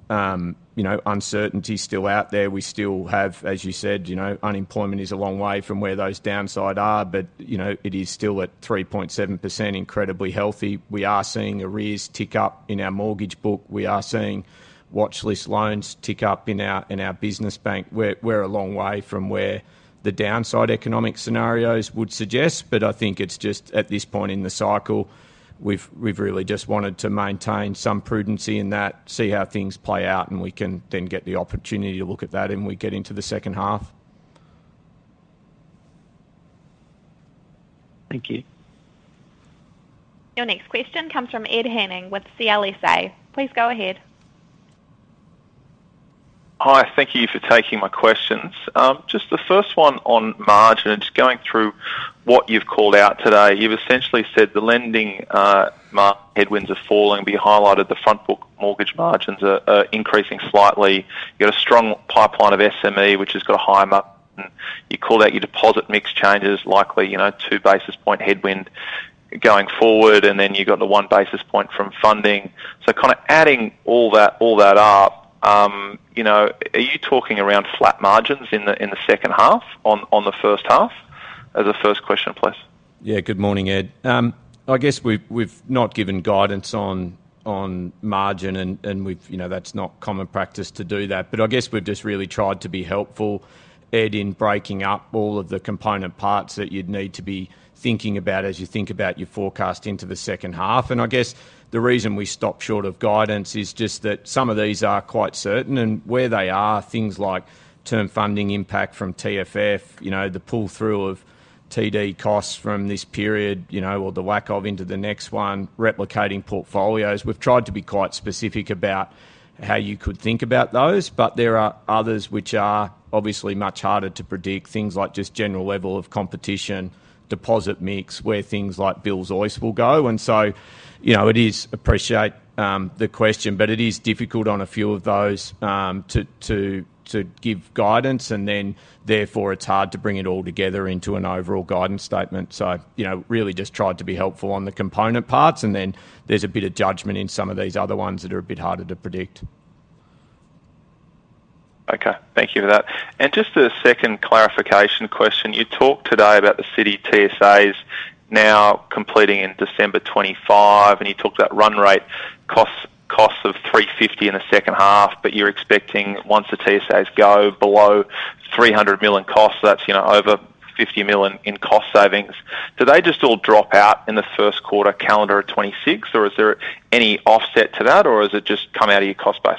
you know, uncertainty still out there. We still have, as you said, you know, unemployment is a long way from where those downside are, but, you know, it is still at 3.7%, incredibly healthy. We are seeing arrears tick up in our mortgage book. We are seeing watchlist loans tick up in our business bank. We're, we're a long way from where the downside economic scenarios would suggest, but I think it's just at this point in the cycle, we've really just wanted to maintain some prudence in that, see how things play out, and we can then get the opportunity to look at that when we get into the second half. Thank you. Your next question comes from Ed Henning with CLSA. Please go ahead. Hi, thank you for taking my questions. Just the first one on margins, going through what you've called out today, you've essentially said the lending margin headwinds are falling, we highlighted, the front book mortgage margins are increasing slightly. You got a strong pipeline of SME, which has got a high margin. You call out your deposit mix changes, likely, you know, 2 basis points headwind going forward, and then you've got the 1 basis point from funding. So kind of adding all that up, you know, are you talking around flat margins in the second half, on the first half? As a first question, please. Yeah. Good morning, Ed. I guess we've not given guidance on margin and we've, you know, that's not common practice to do that, but I guess we've just really tried to be helpful, Ed, in breaking up all of the component parts that you'd need to be thinking about as you think about your forecast into the second half. And I guess the reason we stopped short of guidance is just that some of these are quite certain, and where they are, things like term funding impact from TFF, you know, the pull-through of TD costs from this period, you know, or the whack of into the next one, replicating portfolios. We've tried to be quite specific about how you could think about those, but there are others which are obviously much harder to predict, things like just general level of competition, deposit mix, where things like Bills-OIS will go. And so, you know, it is... appreciate the question, but it is difficult on a few of those to give guidance, and then therefore, it's hard to bring it all together into an overall guidance statement. So, you know, really just tried to be helpful on the component parts, and then there's a bit of judgment in some of these other ones that are a bit harder to predict. Okay. Thank you for that. And just a second clarification question. You talked today about the Citi TSAs now completing in December 2025, and you talked that run rate costs, costs of 350 million in the second half, but you're expecting once the TSAs go below 300 million costs, that's, you know, over 50 million in cost savings. Do they just all drop out in the first quarter, calendar of 2026, or is there any offset to that, or does it just come out of your cost base?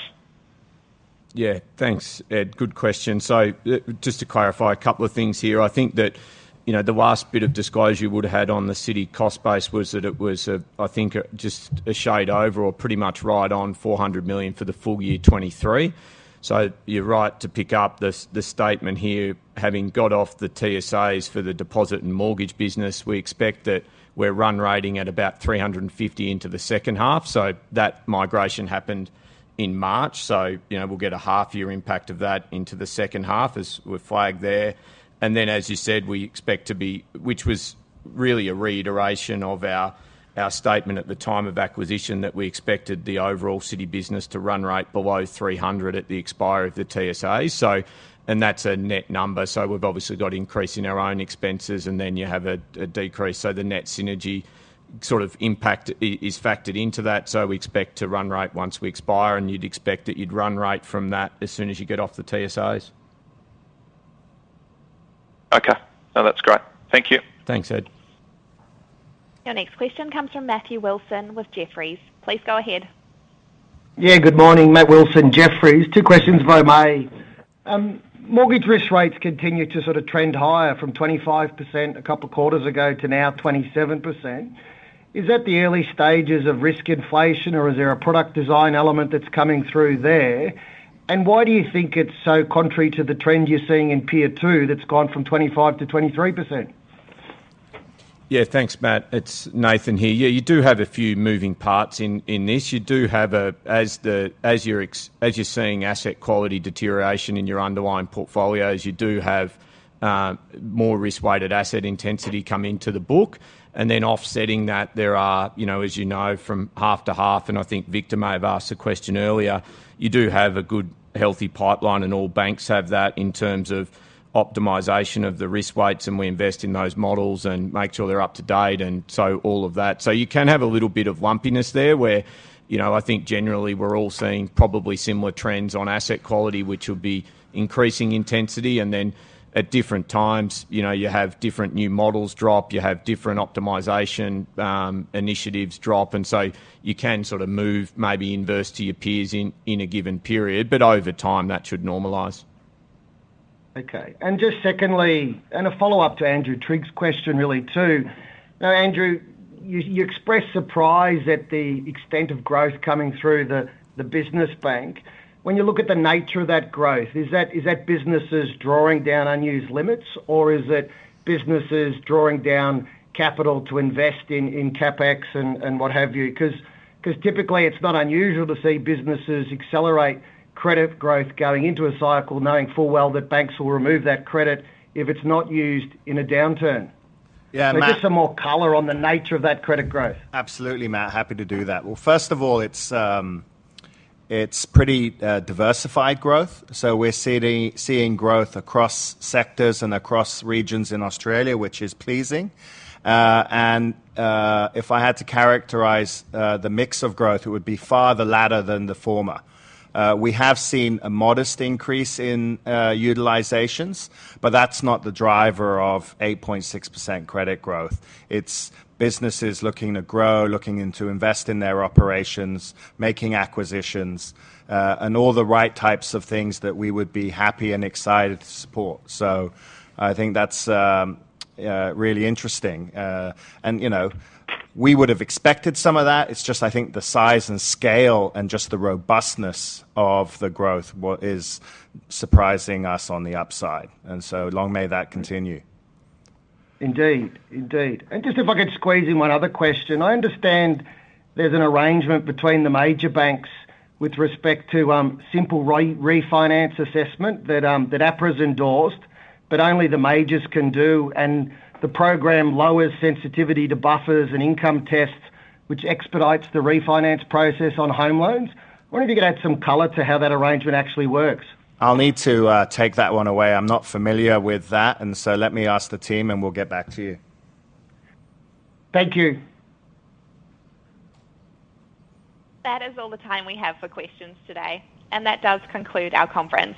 Yeah, thanks, Ed. Good question. So, just to clarify a couple of things here. I think that, you know, the last bit of disclosure you would've had on the Citi cost base was that it was, I think, just a shade over or pretty much right on 400 million for the full year 2023. So you're right to pick up this statement here. Having got off the TSAs for the deposit and mortgage business, we expect that we're run rating at about 350 million into the second half. So that migration happened in March. So, you know, we'll get a half year impact of that into the second half, as we flagged there. Then, as you said, we expect to be, which was really a reiteration of our statement at the time of acquisition, that we expected the overall Citi business to run rate below 300 at the expiry of the TSA. So... that's a net number, so we've obviously got increase in our own expenses, and then you have a decrease. So the net synergy sort of impact is factored into that. So we expect to run rate once we expire, and you'd expect that you'd run rate from that as soon as you get off the TSAs. Okay. No, that's great. Thank you. Thanks, Ed. Your next question comes from Matthew Wilson with Jefferies. Please go ahead. Yeah, good morning, Matt Wilson, Jefferies. Two questions, if I may. Mortgage risk rates continue to sort of trend higher from 25% a couple of quarters ago to now 27%. Is that the early stages of risk inflation, or is there a product design element that's coming through there? And why do you think it's so contrary to the trend you're seeing in Tier 2, that's gone from 25% to 23%? Yeah, thanks, Matt. It's Nathan here. Yeah, you do have a few moving parts in this. You do have as you're seeing asset quality deterioration in your underlying portfolios, you do have more risk-weighted asset intensity come into the book. And then offsetting that, there are, you know, as you know, from half to half, and I think Victor may have asked a question earlier, you do have a good, healthy pipeline, and all banks have that in terms of optimization of the risk weights, and we invest in those models and make sure they're up to date, and so all of that. So you can have a little bit of lumpiness there, where, you know, I think generally we're all seeing probably similar trends on asset quality, which will be increasing intensity. And then at different times, you know, you have different new models drop, you have different optimization initiatives drop, and so you can sort of move, maybe inverse to your peers in a given period, but over time, that should normalize. Okay. And just secondly, and a follow-up to Andrew Triggs's question, really, too. Now, Andrew, you expressed surprise at the extent of growth coming through the business bank. When you look at the nature of that growth, is that businesses drawing down unused limits, or is it businesses drawing down capital to invest in CapEx and what have you? 'Cause typically, it's not unusual to see businesses accelerate credit growth going into a cycle, knowing full well that banks will remove that credit if it's not used in a downturn. Yeah, Matt- Just some more color on the nature of that credit growth. Absolutely, Matt. Happy to do that. Well, first of all, it's pretty diversified growth, so we're seeing growth across sectors and across regions in Australia, which is pleasing. And if I had to characterize the mix of growth, it would be far the latter than the former. We have seen a modest increase in utilizations, but that's not the driver of 8.6% credit growth. It's businesses looking to grow, looking in to invest in their operations, making acquisitions, and all the right types of things that we would be happy and excited to support. So I think that's really interesting. And, you know, we would have expected some of that. It's just, I think, the size and scale and just the robustness of the growth, what is surprising us on the upside, and so long may that continue. Indeed, indeed. And just if I could squeeze in one other question. I understand there's an arrangement between the major banks with respect to simple refinance assessment that APRA's endorsed, but only the majors can do, and the program lowers sensitivity to buffers and income tests, which expedites the refinance process on home loans. I wonder if you could add some color to how that arrangement actually works? I'll need to take that one away. I'm not familiar with that, and so let me ask the team, and we'll get back to you. Thank you. That is all the time we have for questions today, and that does conclude our conference.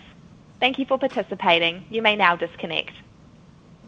Thank you for participating. You may now disconnect.